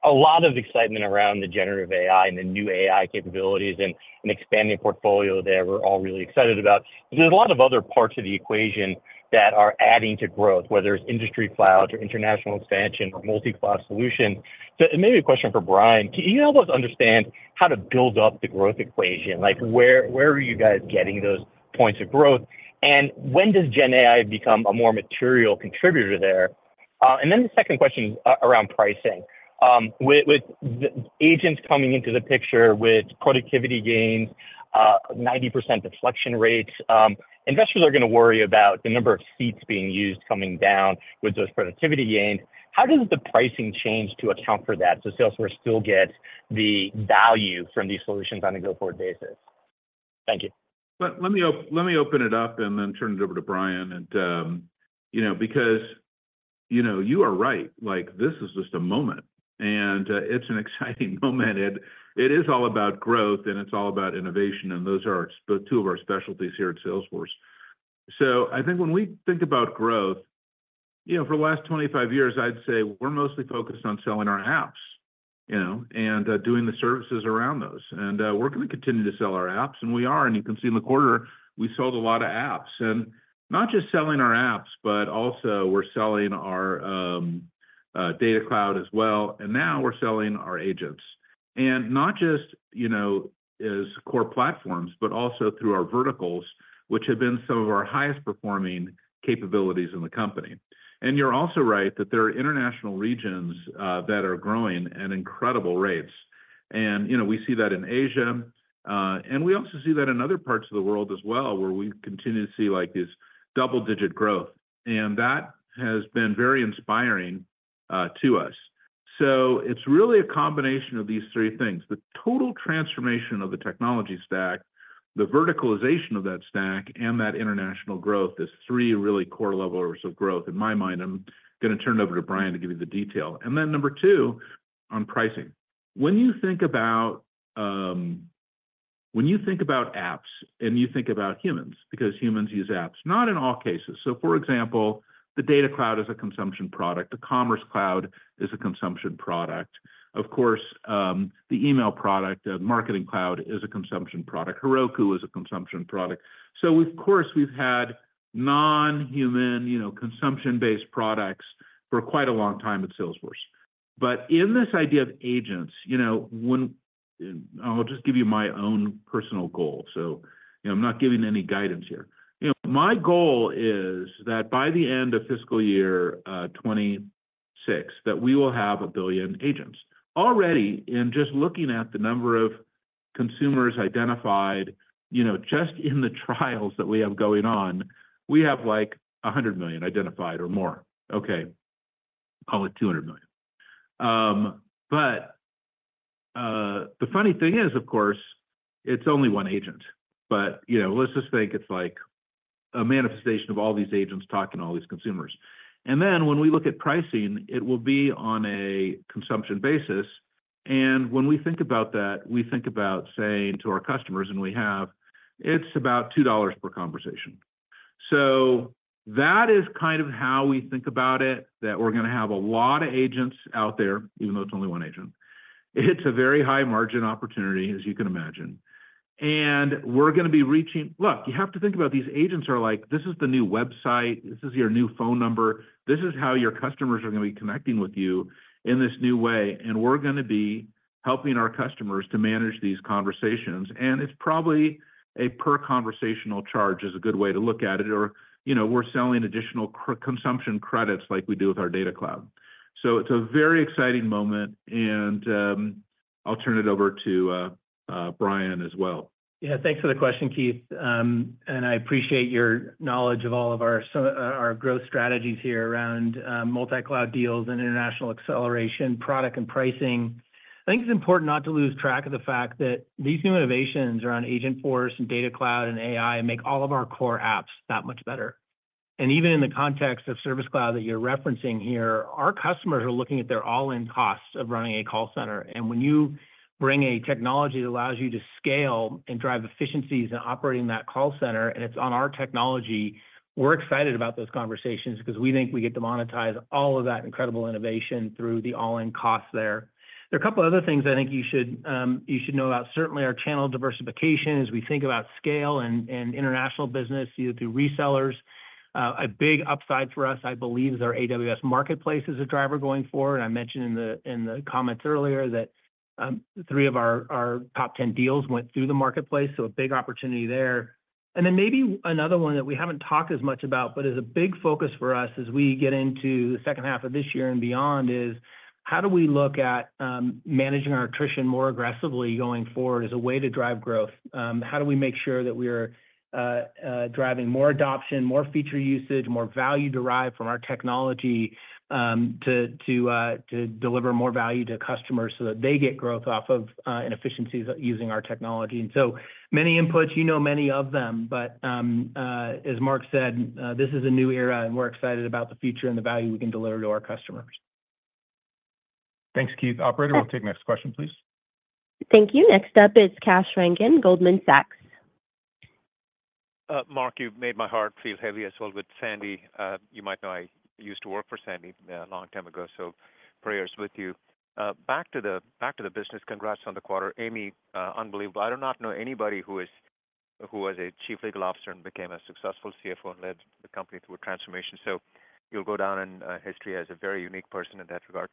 A lot of excitement around the generative AI and the new AI capabilities and an expanding portfolio there we're all really excited about. There's a lot of other parts of the equation that are adding to growth, whether it's industry cloud or international expansion or multi-cloud solutions. So maybe a question for Brian: Can you help us understand how to build up the growth equation? Like, where are you guys getting those points of growth, and when does Gen AI become a more material contributor there? And then the second question is around pricing. With the agents coming into the picture, with productivity gains, 90% deflection rates, investors are gonna worry about the number of seats being used coming down with those productivity gains. How does the pricing change to account for that, so Salesforce still gets the value from these solutions on a go-forward basis? Thank you. Let me open it up and then turn it over to Brian, and you know, because you know, you are right. Like, this is just a moment, and it's an exciting moment, and it is all about growth, and it's all about innovation, and those are two of our specialties here at Salesforce. So I think when we think about growth, you know, for the last 25 years, I'd say we're mostly focused on selling our apps, you know, and doing the services around those. And we're gonna continue to sell our apps, and we are, and you can see in the quarter, we sold a lot of apps. And not just selling our apps, but also we're selling our Data Cloud as well, and now we're selling our agents. And not just, you know, as core platforms, but also through our verticals, which have been some of our highest performing capabilities in the company. And you're also right that there are international regions that are growing at incredible rates. And, you know, we see that in Asia, and we also see that in other parts of the world as well, where we continue to see, like, this double-digit growth, and that has been very inspiring to us. So it's really a combination of these three things: the total transformation of the technology stack, the verticalization of that stack, and that international growth. There's three really core levers of growth in my mind. I'm gonna turn it over to Brian to give you the detail. And then number two, on pricing. When you think about apps and you think about humans, because humans use apps, not in all cases. So, for example, the Data Cloud is a consumption product, the Commerce Cloud is a consumption product. Of course, the email product, Marketing Cloud is a consumption product. Heroku is a consumption product. So of course, we've had non-human, you know, consumption-based products for quite a long time at Salesforce. But in this idea of agents, you know, I'll just give you my own personal goal, so, you know, I'm not giving any guidance here. You know, my goal is that by the end of fiscal year 2026, that we will have a billion agents. Already, in just looking at the number of consumers identified, you know, just in the trials that we have going on, we have, like, a hundred million identified or more. Okay, call it two hundred million. But, the funny thing is, of course, it's only one agent, but, you know, let's just think it's like a manifestation of all these agents talking to all these consumers. And then, when we look at pricing, it will be on a consumption basis, and when we think about that, we think about saying to our customers, and we have, "It's about $2 per conversation." So that is kind of how we think about it, that we're gonna have a lot of agents out there, even though it's only one agent. It's a very high margin opportunity, as you can imagine. Look, you have to think about these agents are like, this is the new website, this is your new phone number, this is how your customers are gonna be connecting with you in this new way, and we're gonna be helping our customers to manage these conversations. It's probably a per-conversational charge, is a good way to look at it, or, you know, we're selling additional consumption credits like we do with our Data Cloud. It's a very exciting moment, and I'll turn it over to Brian as well. Yeah, thanks for the question, Keith, and I appreciate your knowledge of all of our our growth strategies here around, multi-cloud deals and international acceleration, product and pricing. I think it's important not to lose track of the fact that these new innovations around Agentforce and Data Cloud and AI make all of our core apps that much better, and even in the context of Service Cloud that you're referencing here, our customers are looking at their all-in costs of running a call center, and when you bring a technology that allows you to scale and drive efficiencies in operating that call center, and it's on our technology, we're excited about those conversations because we think we get to monetize all of that incredible innovation through the all-in costs there. There are a couple other things I think you should know about. Certainly, our channel diversification as we think about scale and international business either through resellers. A big upside for us, I believe, is our AWS Marketplace is a driver going forward. I mentioned in the comments earlier that three of our top 10 deals went through the marketplace, so a big opportunity there. And then maybe another one that we haven't talked as much about, but is a big focus for us as we get into the second half of this year and beyond, is how do we look at managing our attrition more aggressively going forward as a way to drive growth? How do we make sure that we're driving more adoption, more feature usage, more value derived from our technology, to deliver more value to customers so that they get growth off of, and efficiencies using our technology? And so many inputs, you know many of them. But as Marc said, this is a new era, and we're excited about the future and the value we can deliver to our customers. Thanks, Keith. Operator, we'll take the next question, please. Thank you. Next up, it's Kash Rangan, Goldman Sachs. Marc, you've made my heart feel heavy as well with Sandy. You might know, I used to work for Sandy a long time ago, so prayers with you. Back to the business. Congrats on the quarter. Amy, unbelievable. I do not know anybody who was a chief legal officer and became a successful CFO and led the company through a transformation, so you'll go down in history as a very unique person in that regard.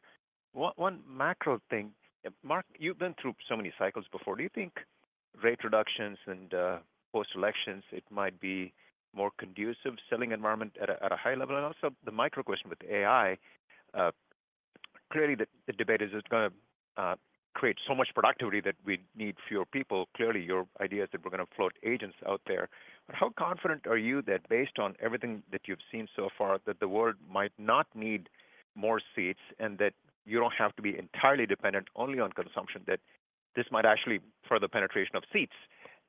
One macro thing, Marc, you've been through so many cycles before. Do you think rate reductions and post-elections, it might be more conducive selling environment at a high level? And also, the micro question with AI, clearly, the debate is it's gonna create so much productivity that we need fewer people. Clearly, your idea is that we're gonna float agents out there. But how confident are you that based on everything that you've seen so far, that the world might not need more seats, and that you don't have to be entirely dependent only on consumption, that this might actually further penetration of seats,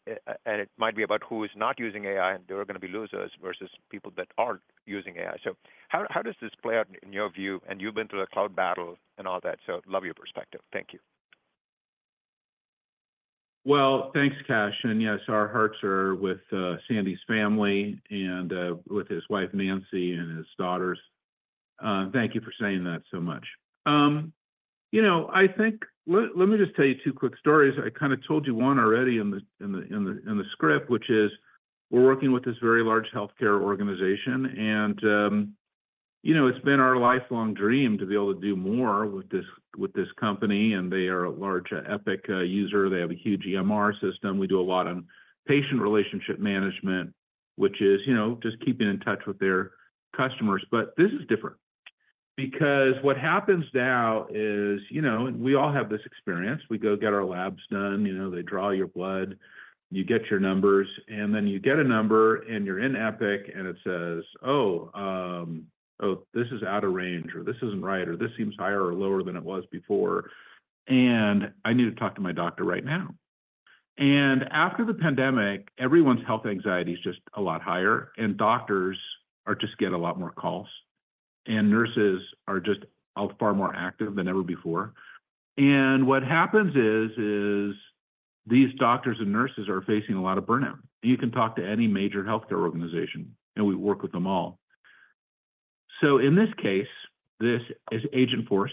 and it might be about who is not using AI, and they are gonna be losers versus people that are using AI? So how, how does this play out in your view? And you've been through the cloud battle and all that, so love your perspective. Thank you. Thanks, Kash. And yes, our hearts are with Sandy's family and with his wife, Nancy, and his daughters. Thank you for saying that so much. You know, I think. Let me just tell you two quick stories. I kinda told you one already in the script, which is we're working with this very large healthcare organization, and you know, it's been our lifelong dream to be able to do more with this company, and they are a large Epic user. They have a huge EMR system. We do a lot on patient relationship management, which is, you know, just keeping in touch with their customers. But this is different because what happens now is, you know, and we all have this experience, we go get our labs done, you know, they draw your blood, you get your numbers, and then you get a number, and you're in Epic, and it says, "Oh, this is out of range, or this isn't right, or this seems higher or lower than it was before, and I need to talk to my doctor right now." And after the pandemic, everyone's health anxiety is just a lot higher, and doctors are just getting a lot more calls, and nurses are just way more active than ever before. And what happens is these doctors and nurses are facing a lot of burnout. You can talk to any major healthcare organization, and we work with them all. So in this case, this is Agentforce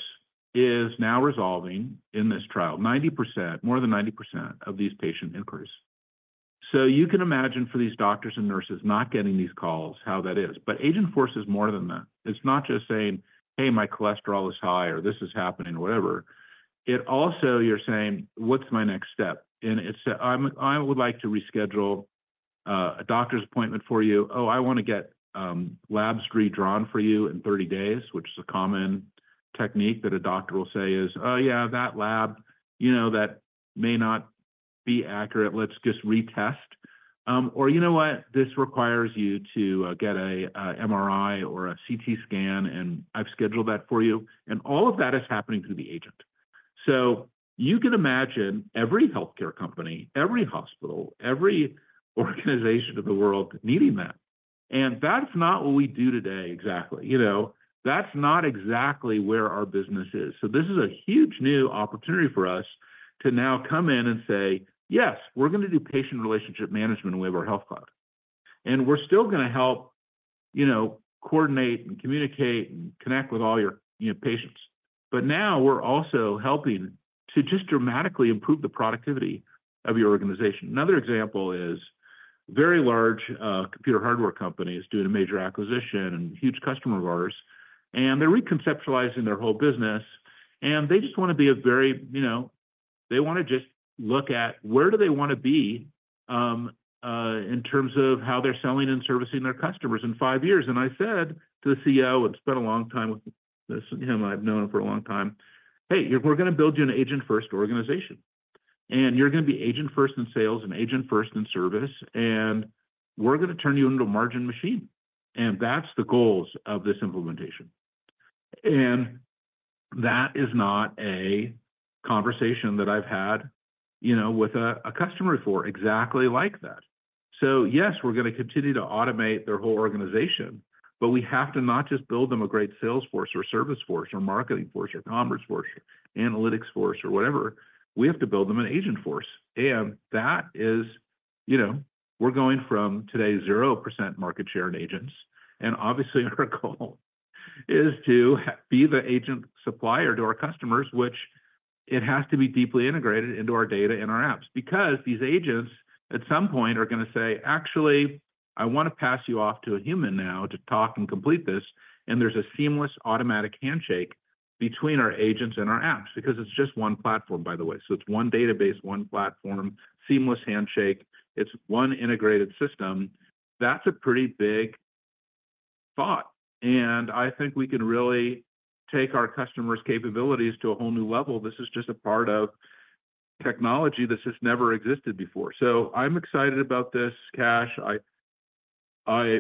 is now resolving, in this trial, 90%, more than 90% of these patient inquiries. So you can imagine for these doctors and nurses not getting these calls, how that is. But Agentforce is more than that. It's not just saying, "Hey, my cholesterol is high, or this is happening," whatever. It also, you're saying, "What's my next step?" And it's say, "I'm I would like to reschedule a doctor's appointment for you." "Oh, I wanna get labs redrawn for you in 30 days," which is a common technique that a doctor will say is, "Oh, yeah, that lab, you know, that may not be accurate. Let's just retest." or, "You know what? This requires you to get a MRI or a CT scan, and I've scheduled that for you." And all of that is happening through the agent. So you can imagine every healthcare company, every hospital, every organization in the world needing that. And that's not what we do today exactly, you know? That's not exactly where our business is. So this is a huge new opportunity for us to now come in and say, "Yes, we're gonna do patient relationship management with our Health Cloud. And we're still gonna help, you know, coordinate and communicate and connect with all your, you know, patients. But now we're also helping to just dramatically improve the productivity of your organization." Another example is very large computer hardware company is doing a major acquisition and huge customer of ours, and they're reconceptualizing their whole business, and they just wanna be a very, you know. They wanna just look at where do they wanna be in terms of how they're selling and servicing their customers in five years? And I said to the CEO, it's been a long time with him, I've known him for a long time, "Hey, we're gonna build you an agent-first organization, and you're gonna be agent first in sales and agent first in service, and we're gonna turn you into a margin machine, and that's the goals of this implementation." And that is not a conversation that I've had, you know, with a customer before, exactly like that. Yes, we're gonna continue to automate their whole organization, but we have to not just build them a great sales force or service force or marketing force or commerce force, analytics force or whatever. We have to build them an Agentforce. That is, you know, we're going from today, 0% market share in agents, and obviously, our goal is to be the agent supplier to our customers, which it has to be deeply integrated into our data and our apps. Because these agents, at some point, are gonna say, "Actually, I wanna pass you off to a human now to talk and complete this," and there's a seamless automatic handshake between our agents and our apps, because it's just one platform, by the way. It's one database, one platform, seamless handshake. It's one integrated system. That's a pretty big thought, and I think we can really take our customers' capabilities to a whole new level. This is just a part of technology that's just never existed before. So I'm excited about this, Kash. I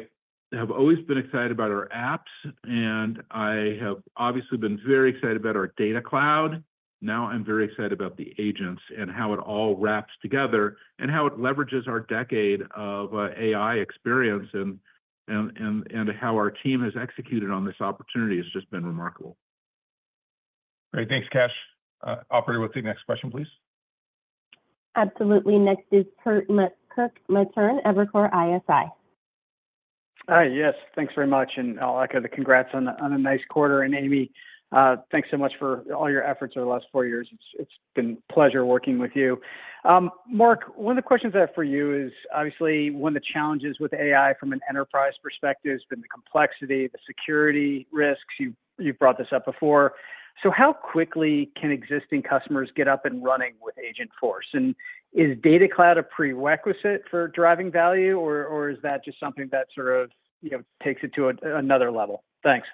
have always been excited about our apps, and I have obviously been very excited about our Data Cloud. Now, I'm very excited about the agents and how it all wraps together, and how it leverages our decade of AI experience and how our team has executed on this opportunity has just been remarkable. Great. Thanks, Kash. Operator, we'll take the next question, please. Absolutely. Next is Kirk Materne, Evercore ISI. Hi, yes, thanks very much, and like the congrats on a nice quarter. And, Amy, thanks so much for all your efforts over the last four years. It's been a pleasure working with you. Marc, one of the questions I have for you is, obviously, one of the challenges with AI from an enterprise perspective has been the complexity, the security risks. You've brought this up before. So how quickly can existing customers get up and running with Agentforce? And is Data Cloud a prerequisite for driving value, or is that just something that sort of, you know, takes it to another level? Thanks.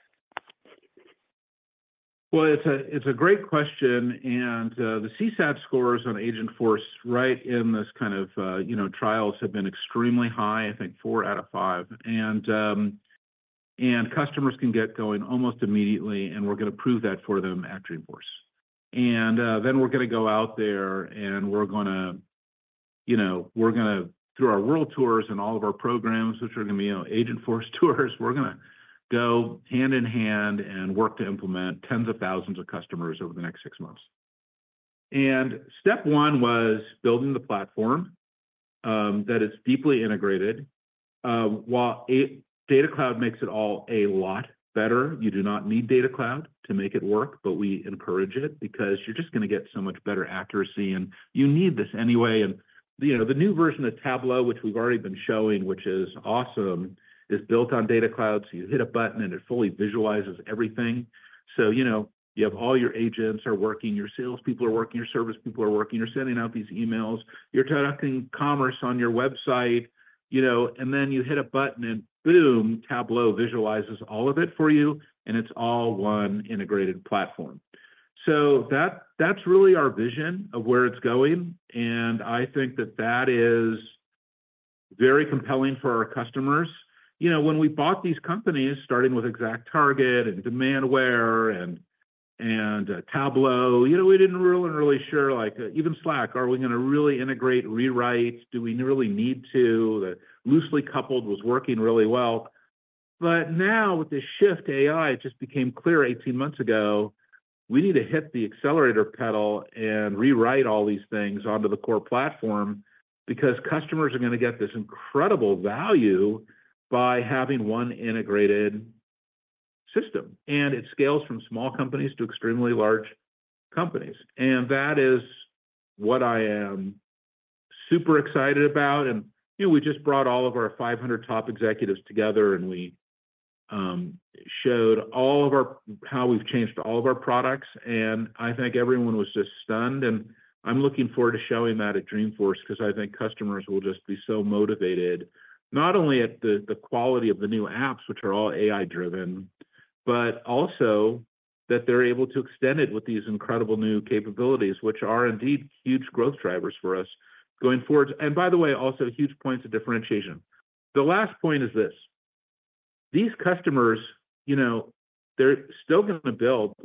It's a great question, and the CSAT scores on Agentforce, right, in this kind of, you know, trials have been extremely high, I think four out of five. And customers can get going almost immediately, and we're gonna prove that for them at Agentforce. And then we're gonna go out there, and we're gonna, you know, through our World Tours and all of our programs, which are gonna be, you know, Agentforce tours, we're gonna go hand in hand and work to implement tens of thousands of customers over the next six months. And step one was building the platform that is deeply integrated. While Data Cloud makes it all a lot better, you do not need Data Cloud to make it work, but we encourage it because you're just gonna get so much better accuracy, and you need this anyway. You know, the new version of Tableau, which we've already been showing, which is awesome, is built on Data Cloud, so you hit a button, and it fully visualizes everything. You know, you have all your agents are working, your salespeople are working, your service people are working, you're sending out these emails, you're conducting commerce on your website, and then you hit a button, and boom, Tableau visualizes all of it for you, and it's all one integrated platform. That, that's really our vision of where it's going, and I think that that is very compelling for our customers. You know, when we bought these companies, starting with ExactTarget, and Demandware, and, and, Tableau, you know, we didn't really, really sure, like, even Slack, are we gonna really integrate, rewrite? Do we really need to? The loosely coupled was working really well. But now with the shift to AI, it just became clear eighteen months ago, we need to hit the accelerator pedal and rewrite all these things onto the core platform, because customers are gonna get this incredible value by having one integrated system, and it scales from small companies to extremely large companies. And that is what I am super excited about. And, you know, we just brought all of our five hundred top executives together, and we showed all of our how we've changed all of our products, and I think everyone was just stunned. I'm looking forward to showing that at Dreamforce, 'cause I think customers will just be so motivated, not only at the quality of the new apps, which are all AI-driven, but also that they're able to extend it with these incredible new capabilities, which are indeed huge growth drivers for us going forward. By the way, also huge points of differentiation. The last point is this: these customers, you know, they're still gonna build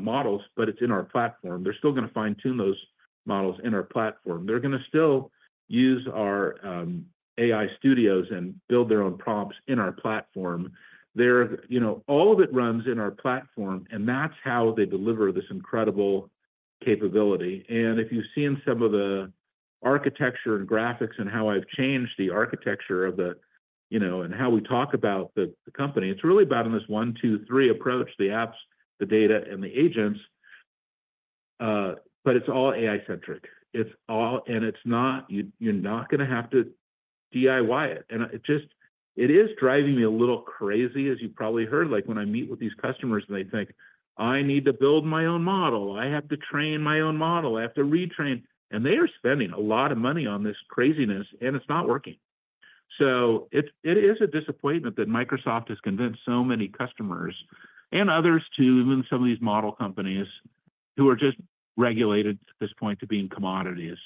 models, but it's in our platform. They're still gonna fine-tune those models in our platform. They're gonna still use our AI studios and build their own prompts in our platform. They're, you know, all of it runs in our platform, and that's how they deliver this incredible capability. And if you've seen some of the architecture and graphics and how I've changed the architecture of the, you know, and how we talk about the, the company, it's really about in this one, two, three approach, the apps, the data, and the agents, but it's all AI-centric. It's all... And it's not-you, you're not gonna have to DIY it. And it just, it is driving me a little crazy, as you probably heard, like, when I meet with these customers, and they think, "I need to build my own model. I have to train my own model. I have to retrain." And they are spending a lot of money on this craziness, and it's not working. So it is a disappointment that Microsoft has convinced so many customers, and others, too, even some of these model companies, who are just reduced at this point to being commodities,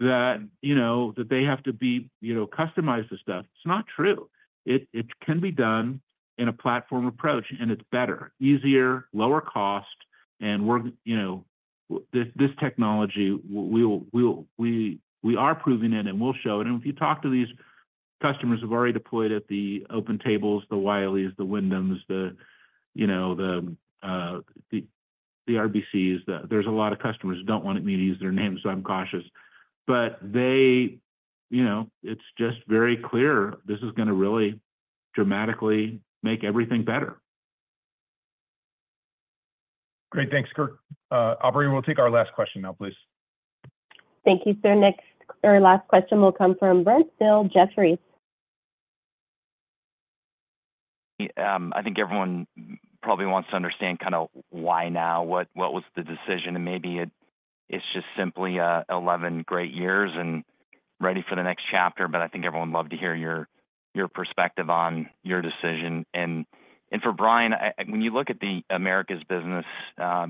that, you know, that they have to be, you know, customize this stuff. It's not true. It can be done in a platform approach, and it's better, easier, lower cost, and we're, you know, this technology, we'll show it, and we are proving it. And if you talk to these customers who've already deployed at the OpenTable, the Wiley, the Wyndham, the, you know, the, the RBC. There's a lot of customers who don't want me to use their names, so I'm cautious. But they, you know, it's just very clear, this is gonna really dramatically make everything better. Great. Thanks, Kirk. Operator, we'll take our last question now, please. Thank you, sir. Next, our last question will come from Brent Thill, Jefferies. I think everyone probably wants to understand kind of why now, what, what was the decision? And maybe it, it's just simply, eleven great years and ready for the next chapter. But I think everyone would love to hear your, your perspective on your decision. And, and for Brian, when you look at the Americas business,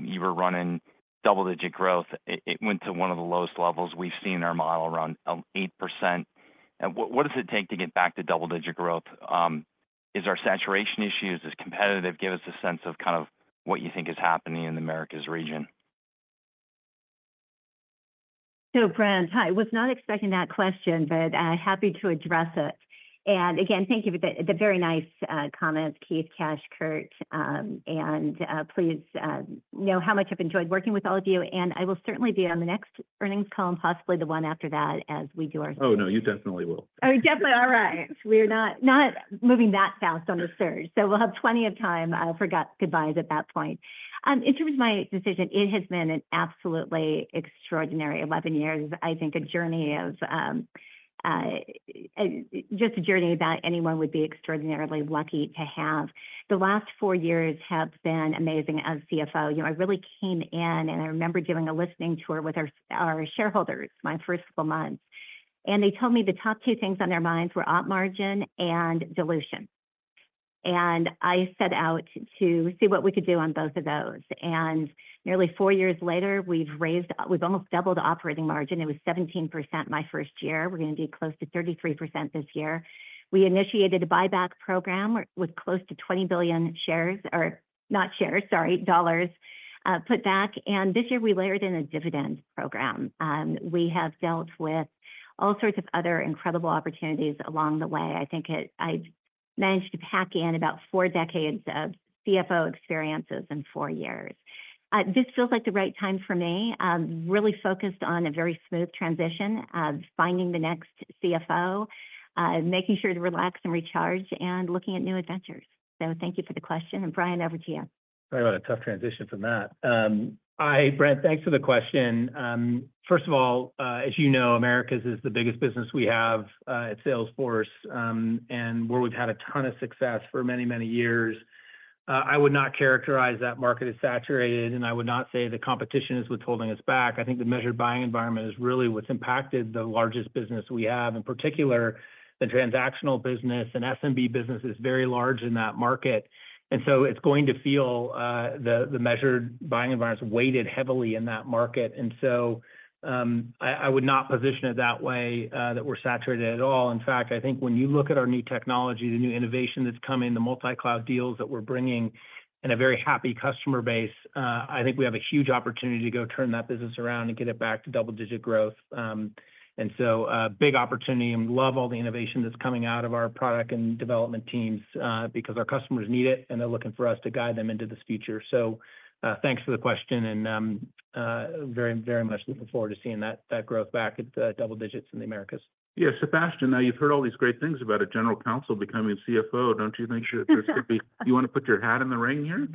you were running double-digit growth. It, it went to one of the lowest levels we've seen in our model around 8%. And what, what does it take to get back to double-digit growth? Is there saturation issues? Is it competitive? Give us a sense of kind of what you think is happening in the Americas region. So, Brent, I was not expecting that question, but happy to address it. And again, thank you for the very nice comments, Keith, Kash, Kirk. And please know how much I've enjoyed working with all of you, and I will certainly be on the next earnings call and possibly the one after that as we do our- Oh, no, you definitely will. Oh, definitely. All right. We're not moving that fast on the surge, so we'll have plenty of time for goodbyes at that point. In terms of my decision, it has been an absolutely extraordinary eleven years. I think a journey of just a journey that anyone would be extraordinarily lucky to have. The last four years have been amazing as CFO. You know, I really came in, and I remember doing a listening tour with our shareholders my first couple of months, and they told me the top two things on their minds were operating margin and dilution. And I set out to see what we could do on both of those. And nearly four years later, we've almost doubled the operating margin. It was 17% my first year. We're gonna be close to 33% this year. We initiated a buyback program with close to $20 billion put back. This year, we layered in a dividend program. We have dealt with all sorts of other incredible opportunities along the way. I think I've managed to pack in about four decades of CFO experiences in four years. This feels like the right time for me. I'm really focused on a very smooth transition of finding the next CFO, making sure to relax and recharge, and looking at new adventures. Thank you for the question, and Brian, over to you. Sorry about a tough transition from that. Hi, Brent. Thanks for the question. First of all, as you know, Americas is the biggest business we have at Salesforce, and where we've had a ton of success for many, many years. I would not characterize that market as saturated, and I would not say the competition is withholding us back. I think the measured buying environment is really what's impacted the largest business we have, in particular, the transactional business, and SMB business is very large in that market, and so it's going to feel the measured buying environment weighted heavily in that market. So, I would not position it that way, that we're saturated at all. In fact, I think when you look at our new technology, the new innovation that's coming, the multi-cloud deals that we're bringing, and a very happy customer base, I think we have a huge opportunity to go turn that business around and get it back to double-digit growth. And so, big opportunity and love all the innovation that's coming out of our product and development teams, because our customers need it, and they're looking for us to guide them into this future. So, thanks for the question, and very, very much looking forward to seeing that growth back at the double digits in the Americas. Yeah, Sebastian, now you've heard all these great things about a general counsel becoming CFO. Don't you think there should be- You wanna put your hat in the ring here?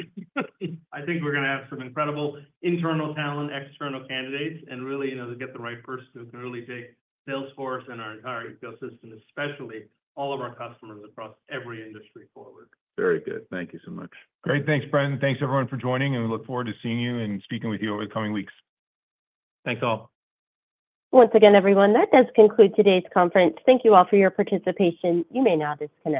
I think we're gonna have some incredible internal talent, external candidates, and really, you know, to get the right person who can really take Salesforce and our entire ecosystem, especially all of our customers across every industry forward. Very good. Thank you so much. Great. Thanks, Brent, and thanks, everyone, for joining, and we look forward to seeing you and speaking with you over the coming weeks. Thanks, all. Once again, everyone, that does conclude today's conference. Thank you all for your participation. You may now disconnect.